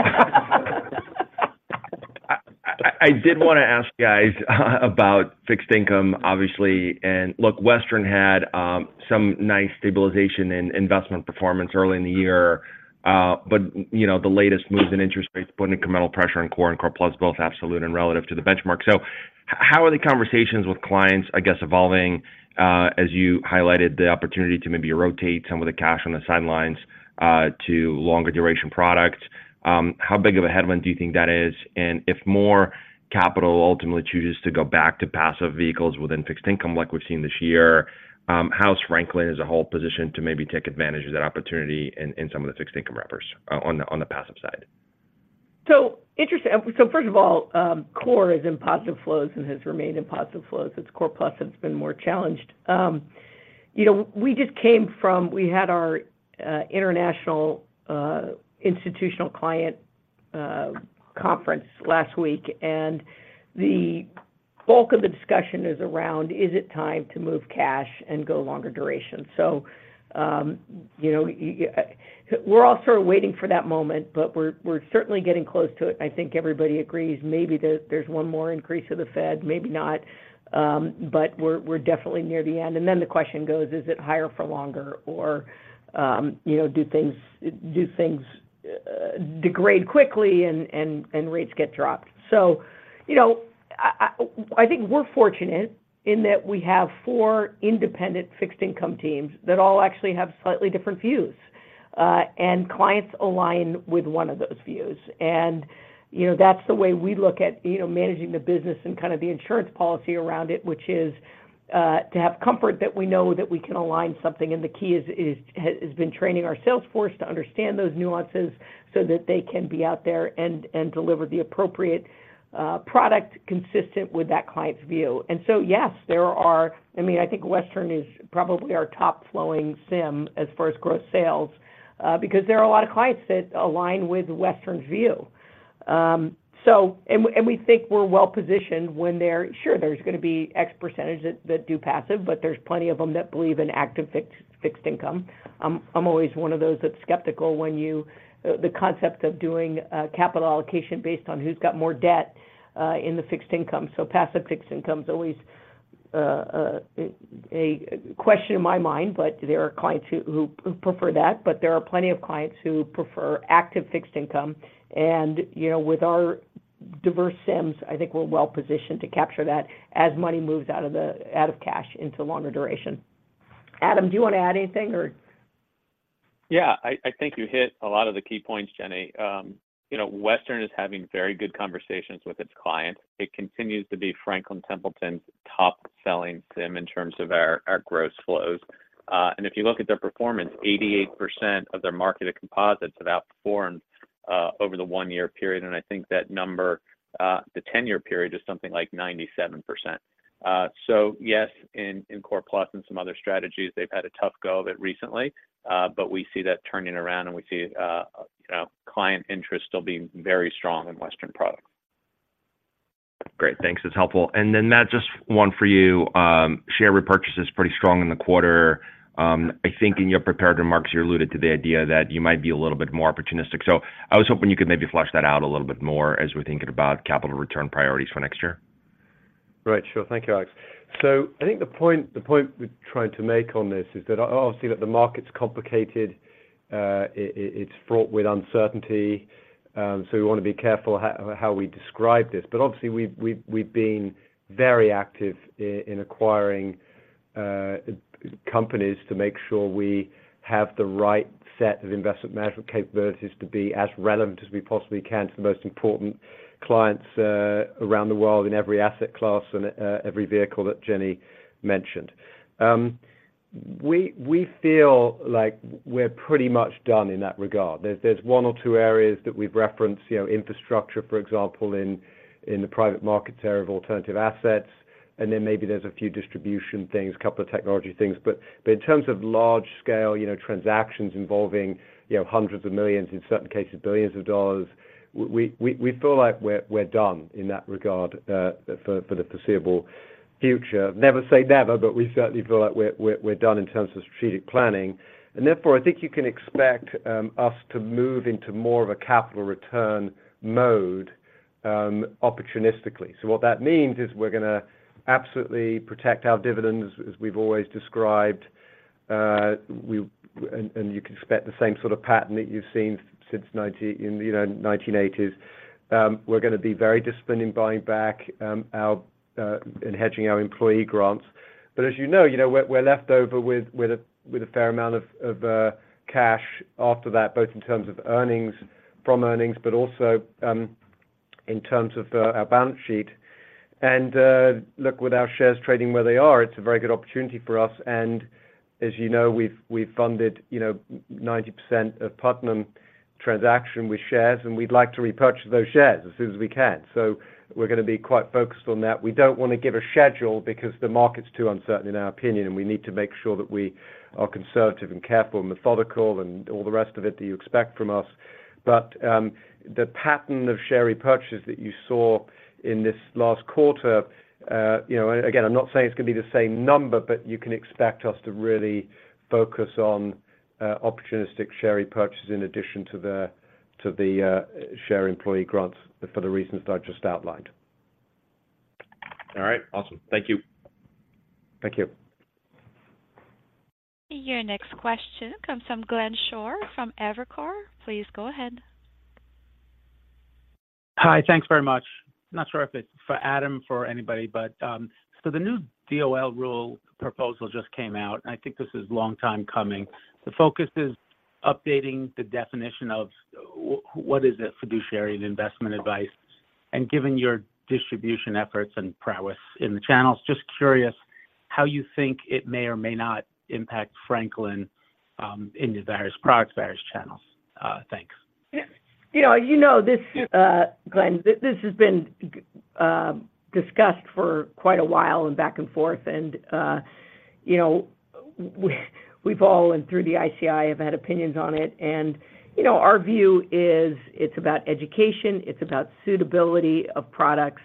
I did want to ask you guys about fixed income, obviously. And look, Western had some nice stabilization in investment performance early in the year, but you know, the latest moves in interest rates put incremental pressure on core and core plus, both absolute and relative to the benchmark. So how are the conversations with clients, I guess, evolving, as you highlighted the opportunity to maybe rotate some of the cash on the sidelines to longer duration products? How big of a headwind do you think that is? If more capital ultimately chooses to go back to passive vehicles within fixed income like we've seen this year, how is Franklin, as a whole, positioned to maybe take advantage of that opportunity in some of the fixed income wrappers on the passive side? So interesting. So first of all, core is in positive flows and has remained in positive flows. It's core plus that's been more challenged. You know, we just came from-- we had our international institutional client conference last week, and the bulk of the discussion is around: Is it time to move cash and go longer duration? So, you know, we're all sort of waiting for that moment, but we're certainly getting close to it. I think everybody agrees maybe there, there's one more increase of the Fed, maybe not, but we're definitely near the end. And then the question goes, is it higher for longer? Or, you know, do things degrade quickly and rates get dropped? So, you know, I think we're fortunate in that we have four independent fixed income teams that all actually have slightly different views, and clients align with one of those views. And, you know, that's the way we look at, you know, managing the business and kind of the insurance policy around it, which is to have comfort that we know that we can align something, and the key has been training our sales force to understand those nuances so that they can be out there and deliver the appropriate product consistent with that client's view. And so, yes, there are, I mean, I think Western is probably our top flowing SIM as far as gross sales, because there are a lot of clients that align with Western's view. So, we think we're well-positioned when they're... Sure, there's gonna be X percentage that do passive, but there's plenty of them that believe in active fixed income. I'm always one of those that's skeptical when you the concept of doing capital allocation based on who's got more debt in the fixed income. So passive fixed income is always a question in my mind, but there are clients who prefer that, but there are plenty of clients who prefer active fixed income. And, you know, with our diverse SIMs, I think we're well-positioned to capture that as money moves out of cash into longer duration. Adam, do you want to add anything, or? Yeah, I think you hit a lot of the key points, Jenny. You know, Western is having very good conversations with its clients. It continues to be Franklin Templeton's top-selling SIM in terms of our gross flows. And if you look at their performance, 88% of their marketed composites have outperformed over the one-year period, and I think that number, the 10-year period is something like 97%. So yes, in Core Plus and some other strategies, they've had a tough go of it recently, but we see that turning around, and we see, you know, client interest still being very strong in Western products. Great, thanks. It's helpful. And then, Matt, just one for you. Share repurchase is pretty strong in the quarter. I think in your prepared remarks, you alluded to the idea that you might be a little bit more opportunistic. So I was hoping you could maybe flush that out a little bit more as we're thinking about capital return priorities for next year. Right. Sure. Thank you, Alex. So I think the point we're trying to make on this is that obviously the market's complicated, it's fraught with uncertainty, so we wanna be careful how we describe this. But obviously, we've been very active in acquiring companies to make sure we have the right set of investment management capabilities to be as relevant as we possibly can to the most important clients around the world in every asset class and every vehicle that Jenny mentioned. We feel like we're pretty much done in that regard. There's one or two areas that we've referenced, you know, infrastructure, for example, in the private market area of alternative assets, and then maybe there's a few distribution things, a couple of technology things. But in terms of large-scale, you know, transactions involving, you know, $hundreds of millions, in certain cases, $billions, we feel like we're done in that regard, for the foreseeable future. Never say never, but we certainly feel like we're done in terms of strategic planning, and therefore, I think you can expect us to move into more of a capital return mode, opportunistically. So what that means is we're gonna absolutely protect our dividends, as we've always described. And you can expect the same sort of pattern that you've seen since 1990, you know, 1980s. We're gonna be very disciplined in buying back our and hedging our employee grants. But as you know, we're left over with a fair amount of cash after that, both in terms of earnings from earnings, but also in terms of our balance sheet. And look, with our shares trading where they are, it's a very good opportunity for us, and as you know, we've funded, you know, 90% of Putnam transaction with shares, and we'd like to repurchase those shares as soon as we can. So we're gonna be quite focused on that. We don't want to give a schedule because the market's too uncertain, in our opinion, and we need to make sure that we are conservative and careful and methodical, and all the rest of it that you expect from us. But, the pattern of share repurchases that you saw in this last quarter, you know, again, I'm not saying it's gonna be the same number, but you can expect us to really focus on, opportunistic share repurchases in addition to the share employee grants for the reasons that I just outlined. All right, awesome. Thank you. Thank you. Your next question comes from Glenn Schorr from Evercore. Please go ahead. Hi, thanks very much. Not sure if it's for Adam, for anybody, but, so the new DOL rule proposal just came out. I think this is a long time coming. The focus is updating the definition of what is a fiduciary and investment advice, and given your distribution efforts and prowess in the channels, just curious how you think it may or may not impact Franklin, into various products, various channels? Thanks. You know, you know this, Glenn, this has been discussed for quite a while and back and forth, and, you know, we've all, and through the ICI, have had opinions on it. And, you know, our view is it's about education, it's about suitability of products,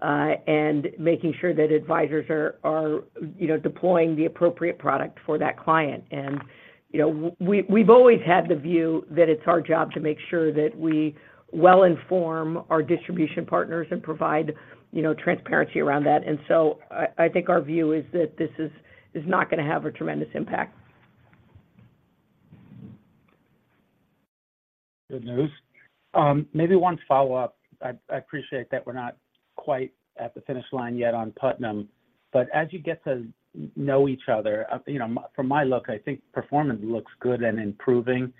and making sure that advisors are, you know, deploying the appropriate product for that client. And, you know, we've always had the view that it's our job to make sure that we well inform our distribution partners and provide, you know, transparency around that. And so I think our view is that this is not gonna have a tremendous impact. ... Good news. Maybe one follow-up. I appreciate that we're not quite at the finish line yet on Putnam, but as you get to know each other, you know, from my look, I think performance looks good and improving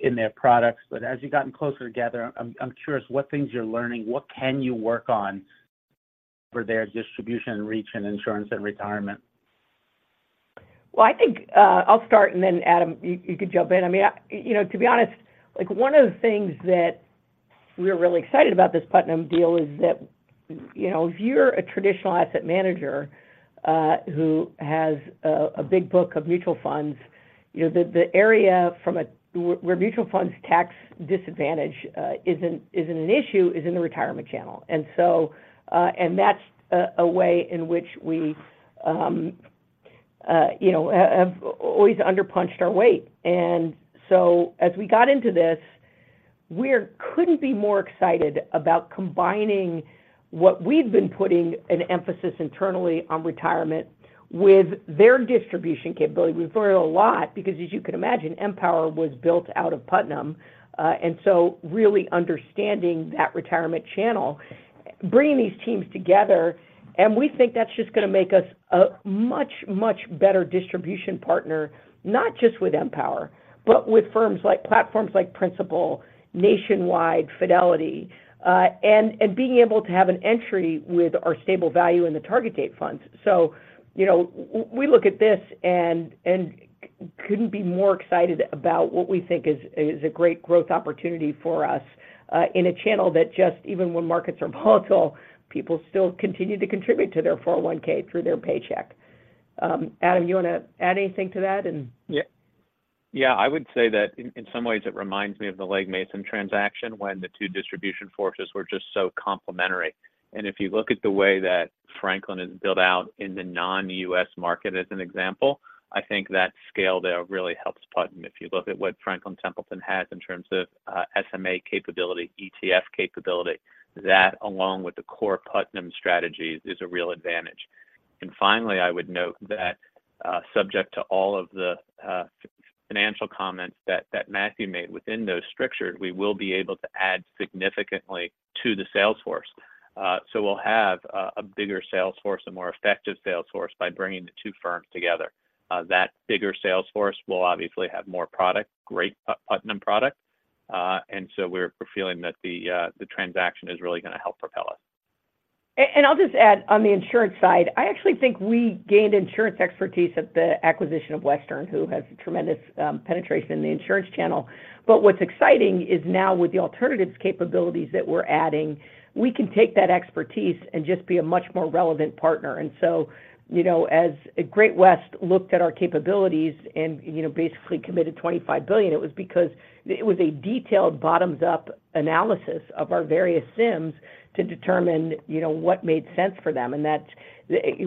in their products. But as you've gotten closer together, I'm curious what things you're learning, what can you work on for their distribution, reach, and insurance and retirement? Well, I think, I'll start, and then Adam, you could jump in. I mean, you know, to be honest, like, one of the things that we were really excited about this Putnam deal is that, you know, if you're a traditional asset manager, who has a big book of mutual funds, you know, the area from where mutual funds tax disadvantage isn't an issue is in the retirement channel. And so, and that's a way in which we, you know, have always underpunched our weight. And so as we got into this, we're couldn't be more excited about combining what we've been putting an emphasis internally on retirement with their distribution capability. We've learned a lot because as you can imagine, Empower was built out of Putnam, and so really understanding that retirement channel, bringing these teams together, and we think that's just gonna make us a much, much better distribution partner, not just with Empower, but with firms like platforms like Principal, Nationwide, Fidelity, and being able to have an entry with our stable value in the target date funds. So, you know, we look at this and couldn't be more excited about what we think is a great growth opportunity for us, in a channel that just even when markets are volatile, people still continue to contribute to their 401(k) through their paycheck. Adam, you want to add anything to that and- Yeah. Yeah, I would say that in some ways, it reminds me of the Legg Mason transaction, when the two distribution forces were just so complementary. And if you look at the way that Franklin is built out in the non-U.S. market, as an example, I think that scale there really helps Putnam. If you look at what Franklin Templeton has in terms of SMA capability, ETF capability, that, along with the core Putnam strategies, is a real advantage. And finally, I would note that, subject to all of the financial comments that Matthew made within those strictures, we will be able to add significantly to the sales force. So we'll have a bigger sales force, a more effective sales force, by bringing the two firms together. That bigger sales force will obviously have more product, great Putnam product, and so we're feeling that the transaction is really going to help propel us. I'll just add, on the insurance side, I actually think we gained insurance expertise at the acquisition of Western, who has tremendous penetration in the insurance channel. But what's exciting is now with the alternatives capabilities that we're adding, we can take that expertise and just be a much more relevant partner. And so, you know, as Great-West looked at our capabilities and, you know, basically committed $25 billion, it was because it was a detailed, bottoms-up analysis of our various SIMs to determine, you know, what made sense for them. And that's... We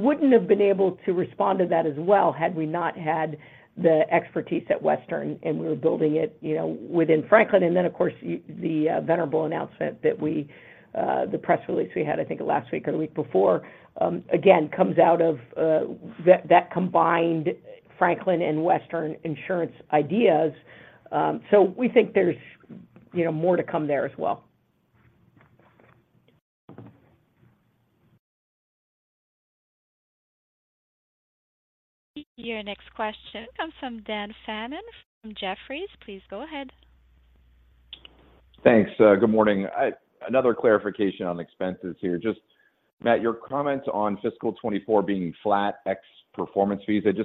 wouldn't have been able to respond to that as well had we not had the expertise at Western, and we were building it, you know, within Franklin. And then, of course, the Venerable announcement that we, the press release we had, I think, last week or the week before, again, comes out of that combined Franklin and Western insurance ideas. So we think there's, you know, more to come there as well. Your next question comes from Dan Fannon from Jefferies. Please go ahead. Thanks. Good morning. Another clarification on expenses here. Just, Matt, your comment on fiscal 2024 being flat ex performance fees, is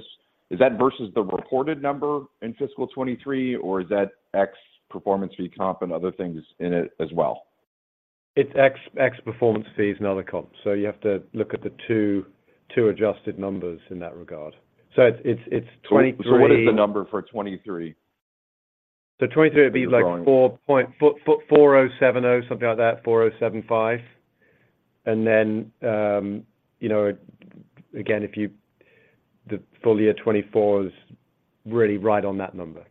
that versus the reported number in fiscal 2023, or is that ex performance fee comp and other things in it as well? It's ex performance fees and other comp. So you have to look at the two adjusted numbers in that regard. So it's 23- What is the number for 23? So 2023 would be, like, $4.4070, something like that, $4.075. And then, you know, again, if the full year 2024 is really right on that number.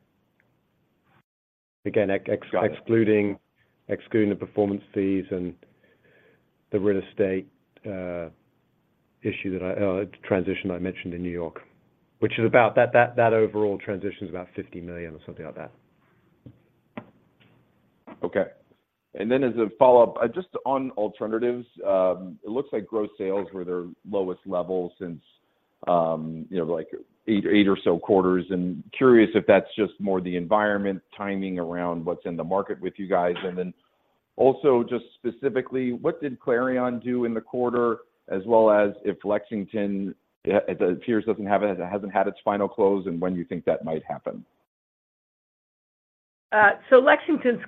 Again, ex- Got it... excluding the performance fees and the real estate transition I mentioned in New York, which is about $50 million or something like that. Okay. And then as a follow-up, just on alternatives, it looks like gross sales were their lowest level since, you know, like eight, eight or so quarters, and curious if that's just more the environment timing around what's in the market with you guys. And then also, just specifically, what did Clarion do in the quarter, as well as if Lexington it appears, it hasn't had its final close, and when you think that might happen? So Lexington's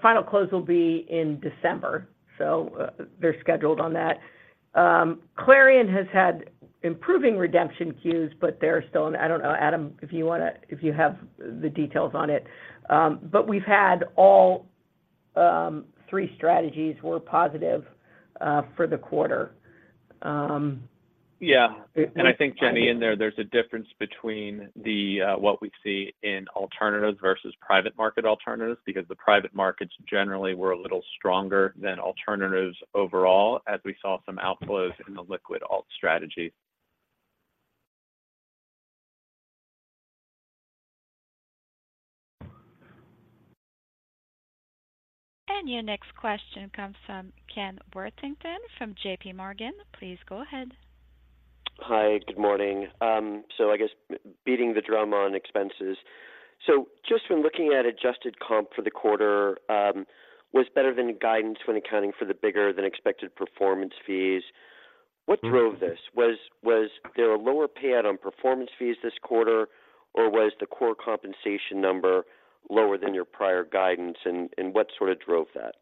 final close will be in December, so they're scheduled on that. Clarion has had improving redemption queues, but they're still... I don't know, Adam, if you want to—if you have the details on it. But we've had all three strategies were positive for the quarter. Yeah, and I think, Jenny, in there, there's a difference between the, what we see in alternatives versus private market alternatives, because the private markets generally were a little stronger than alternatives overall, as we saw some outflows in the liquid alt strategy.... And your next question comes from Ken Worthington from JP Morgan. Please go ahead. Hi, good morning. So I guess beating the drum on expenses. So just from looking at adjusted comp for the quarter, was better than the guidance when accounting for the bigger than expected performance fees. What drove this? Was there a lower payout on performance fees this quarter, or was the core compensation number lower than your prior guidance? And what sort of drove that?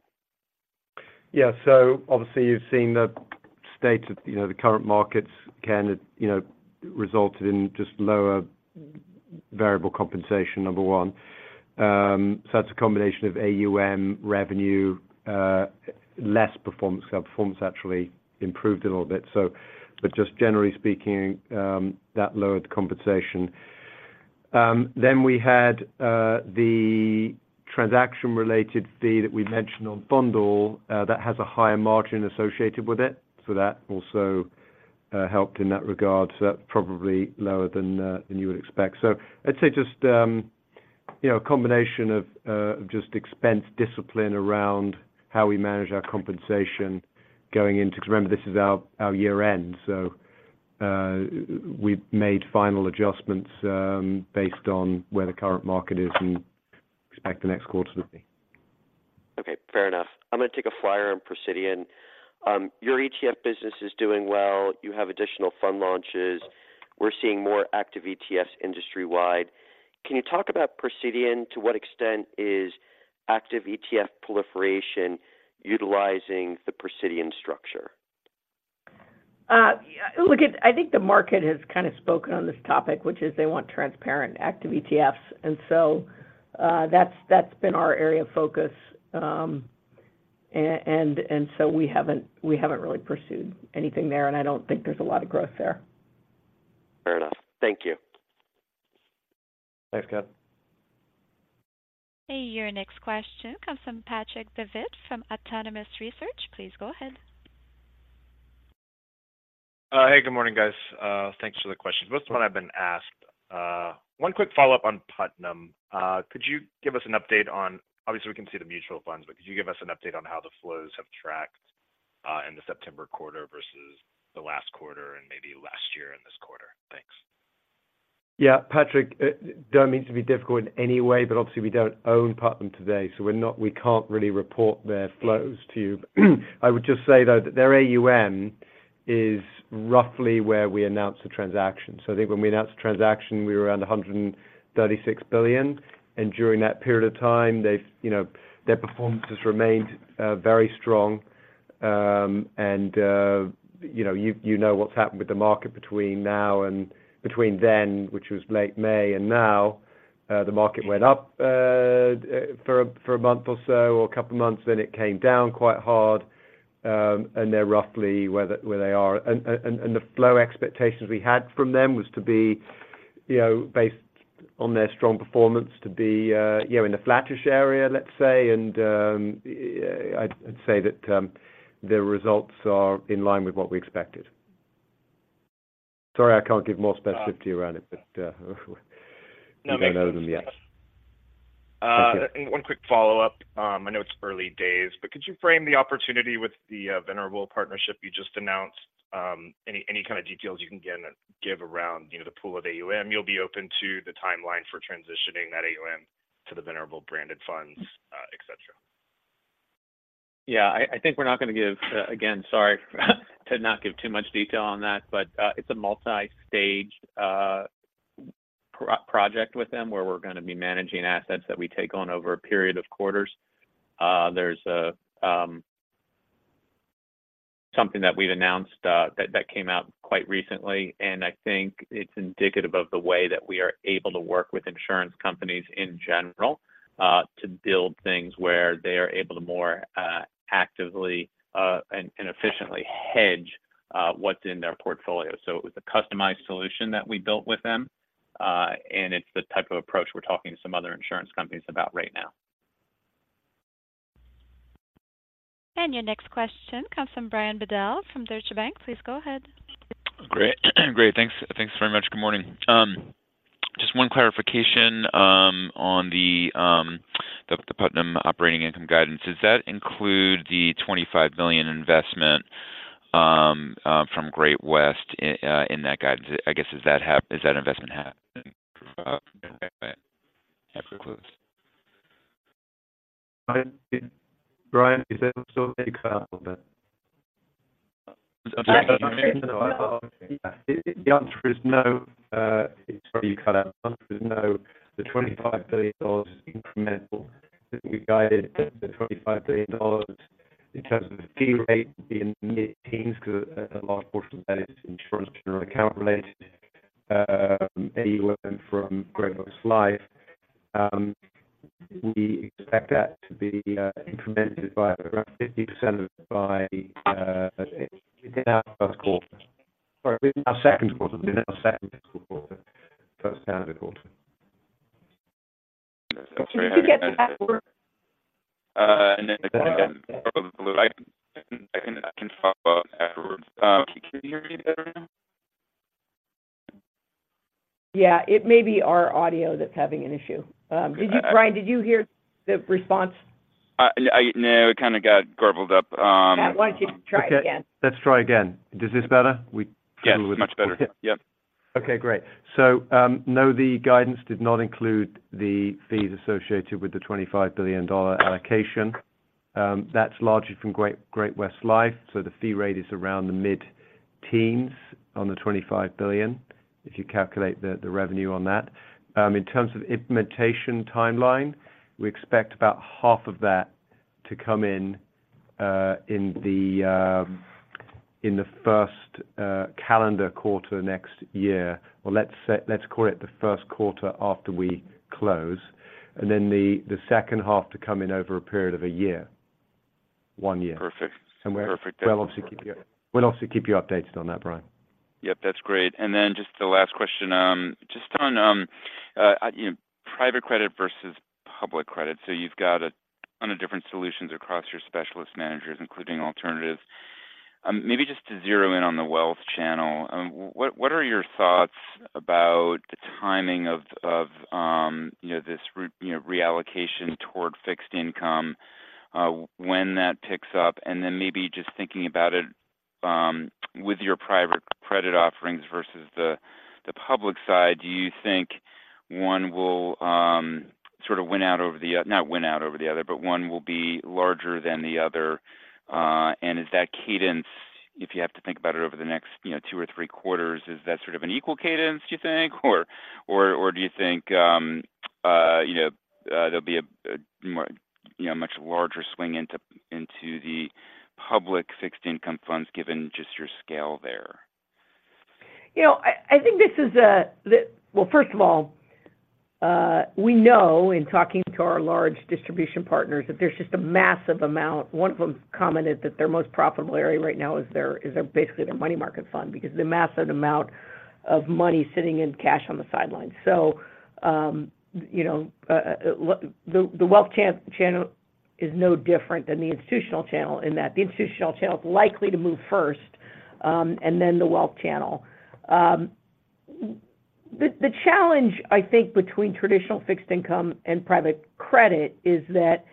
Yeah. So obviously, you've seen the state of, you know, the current markets, Ken, it you know resulted in just lower variable compensation, number one. So that's a combination of AUM revenue, less performance. Performance actually improved a little bit, so but just generally speaking, that lowered the compensation. Then we had the transaction-related fee that we mentioned on Putnam, that has a higher margin associated with it. So that also helped in that regard. So that probably lower than than you would expect. So I'd say just, you know, a combination of just expense discipline around how we manage our compensation going into... Because remember, this is our year-end, so we made final adjustments based on where the current market is and expect the next quarter to be. Okay, fair enough. I'm going to take a flyer on Precidian. Your ETF business is doing well. You have additional fund launches. We're seeing more active ETFs industry-wide. Can you talk about Precidian? To what extent is active ETF proliferation utilizing the Precidian structure? Look, I think the market has kind of spoken on this topic, which is they want transparent, active ETFs, and so that's been our area of focus. And so we haven't really pursued anything there, and I don't think there's a lot of growth there. Fair enough. Thank you. Thanks, Ken. Hey, your next question comes from Patrick Davitt, from Autonomous Research. Please go ahead. Hey, good morning, guys. Thanks for the question. Most one I've been asked. One quick follow-up on Putnam. Could you give us an update on... Obviously, we can see the mutual funds, but could you give us an update on how the flows have tracked in the September quarter versus the last quarter and maybe last year in this quarter? Thanks. Yeah, Patrick, don't mean to be difficult in any way, but obviously we don't own Putnam today, so we can't really report their flows to you. I would just say, though, that their AUM is roughly where we announced the transaction. So I think when we announced the transaction, we were around $136 billion, and during that period of time, they've, you know, their performance has remained very strong. And, you know, you know what's happened with the market between then, which was late May, and now, the market went up for a month or so or a couple of months, then it came down quite hard, and they're roughly where they are. The flow expectations we had from them was to be, you know, based on their strong performance, to be, you know, in the flatish area, let's say, and I'd say that their results are in line with what we expected. Sorry, I can't give more specificity around it, but we don't know them yet. One quick follow-up. I know it's early days, but could you frame the opportunity with the Venerable partnership you just announced? Any kind of details you can give and give around, you know, the pool of AUM, you'll be open to the timeline for transitioning that AUM to the Venerable branded funds, et cetera? Yeah. I think we're not going to give, again, sorry, to not give too much detail on that, but it's a multi-stage project with them where we're going to be managing assets that we take on over a period of quarters. There's something that we've announced that came out quite recently, and I think it's indicative of the way that we are able to work with insurance companies in general to build things where they are able to more actively and efficiently hedge what's in their portfolio. So it was a customized solution that we built with them, and it's the type of approach we're talking to some other insurance companies about right now. Your next question comes from Brian Bedell, from Deutsche Bank. Please go ahead. Great. Great, thanks. Thanks very much. Good morning. Just one clarification on the Putnam operating income guidance. Does that include the $25 million investment from Great-West in that guidance? I guess, does that investment happen? Brian, is that so? You cut out there. The answer is no. Sorry, you cut out. The answer is no. The $25 billion is incremental. I think we guided the $25 billion in terms of the fee rate being mid-teens, because a large portion of that is insurance and account related, anywhere from Great-West Lifeco. We expect that to be implemented by around 50% by within our first quarter. Sorry, our second quarter. Within our second fiscal quarter. First calendar quarter.... So could you get the network? And then I can follow up afterwards. Can you hear me better now? Yeah, it may be our audio that's having an issue. Did you, Brian, did you hear the response? No, it kind of got garbled up. Yeah, why don't you try again? Okay, let's try again. Is this better? We- Yes, much better. Yep. Okay, great. So, no, the guidance did not include the fees associated with the $25 billion allocation. That's largely from Great-West Lifeco, so the fee rate is around the mid-teens on the $25 billion, if you calculate the revenue on that. In terms of implementation timeline, we expect about $12.5 billion of that to come in in the first calendar quarter next year. Well, let's set—let's call it the first quarter after we close, and then the second $12.5 billion to come in over a period of a year, one year. Perfect. We'll obviously keep you- Perfect. We'll obviously keep you updated on that, Brian. Yep, that's great. And then just the last question, just on, you know, private credit versus public credit. So you've got a ton of different solutions across your specialist managers, including alternatives. Maybe just to zero in on the wealth channel, what are your thoughts about the timing of you know this you know reallocation toward fixed income, when that picks up? And then maybe just thinking about it with your private credit offerings versus the public side, do you think one will sort of win out over the other... Not win out over the other, but one will be larger than the other? And is that cadence, if you have to think about it over the next, you know, two or three quarters, is that sort of an equal cadence, do you think? Or, do you think, you know, there'll be a more, you know, much larger swing into the public fixed income funds given just your scale there? You know, I think this is a... Well, first of all, we know in talking to our large distribution partners, that there's just a massive amount. One of them commented that their most profitable area right now is their basically their money market fund, because of the massive amount of money sitting in cash on the sidelines. So, you know, the wealth channel is no different than the institutional channel, in that the institutional channel is likely to move first, and then the wealth channel. The challenge, I think, between traditional fixed income and private credit is that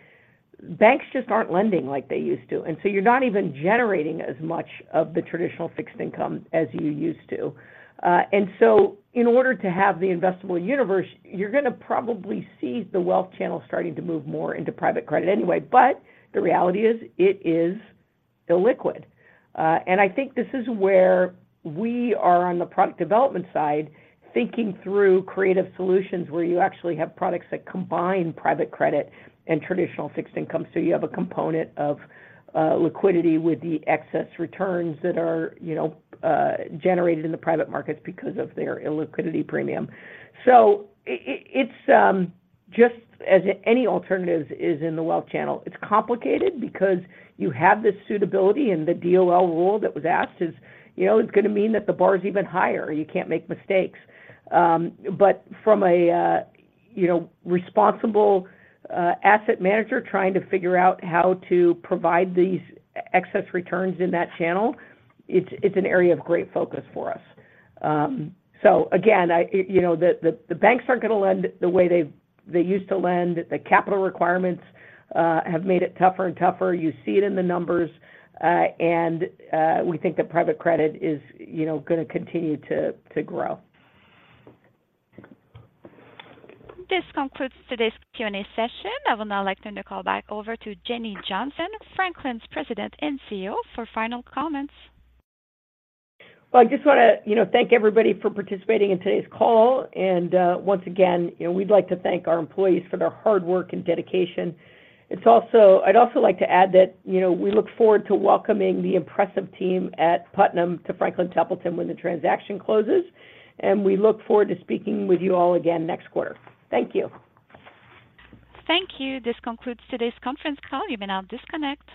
banks just aren't lending like they used to, and so you're not even generating as much of the traditional fixed income as you used to. And so in order to have the investable universe, you're gonna probably see the wealth channel starting to move more into private credit anyway. But the reality is, it is illiquid. And I think this is where we are on the product development side, thinking through creative solutions, where you actually have products that combine private credit and traditional fixed income. So you have a component of liquidity with the excess returns that are, you know, generated in the private markets because of their illiquidity premium. So it's just as any alternatives is in the wealth channel, it's complicated because you have this suitability, and the DOL rule that was asked is, you know, is gonna mean that the bar is even higher, you can't make mistakes. But from a, you know, responsible asset manager trying to figure out how to provide these excess returns in that channel, it's, it's an area of great focus for us. So again, I, you know, the banks aren't going to lend the way they used to lend. The capital requirements have made it tougher and tougher. You see it in the numbers, and we think that private credit is, you know, gonna continue to grow. This concludes today's Q&A session. I would now like to turn the call back over to Jenny Johnson, Franklin's President and CEO, for final comments. Well, I just wanna, you know, thank everybody for participating in today's call. Once again, you know, we'd like to thank our employees for their hard work and dedication. I'd also like to add that, you know, we look forward to welcoming the impressive team at Putnam to Franklin Templeton when the transaction closes, and we look forward to speaking with you all again next quarter. Thank you. Thank you. This concludes today's conference call. You may now disconnect.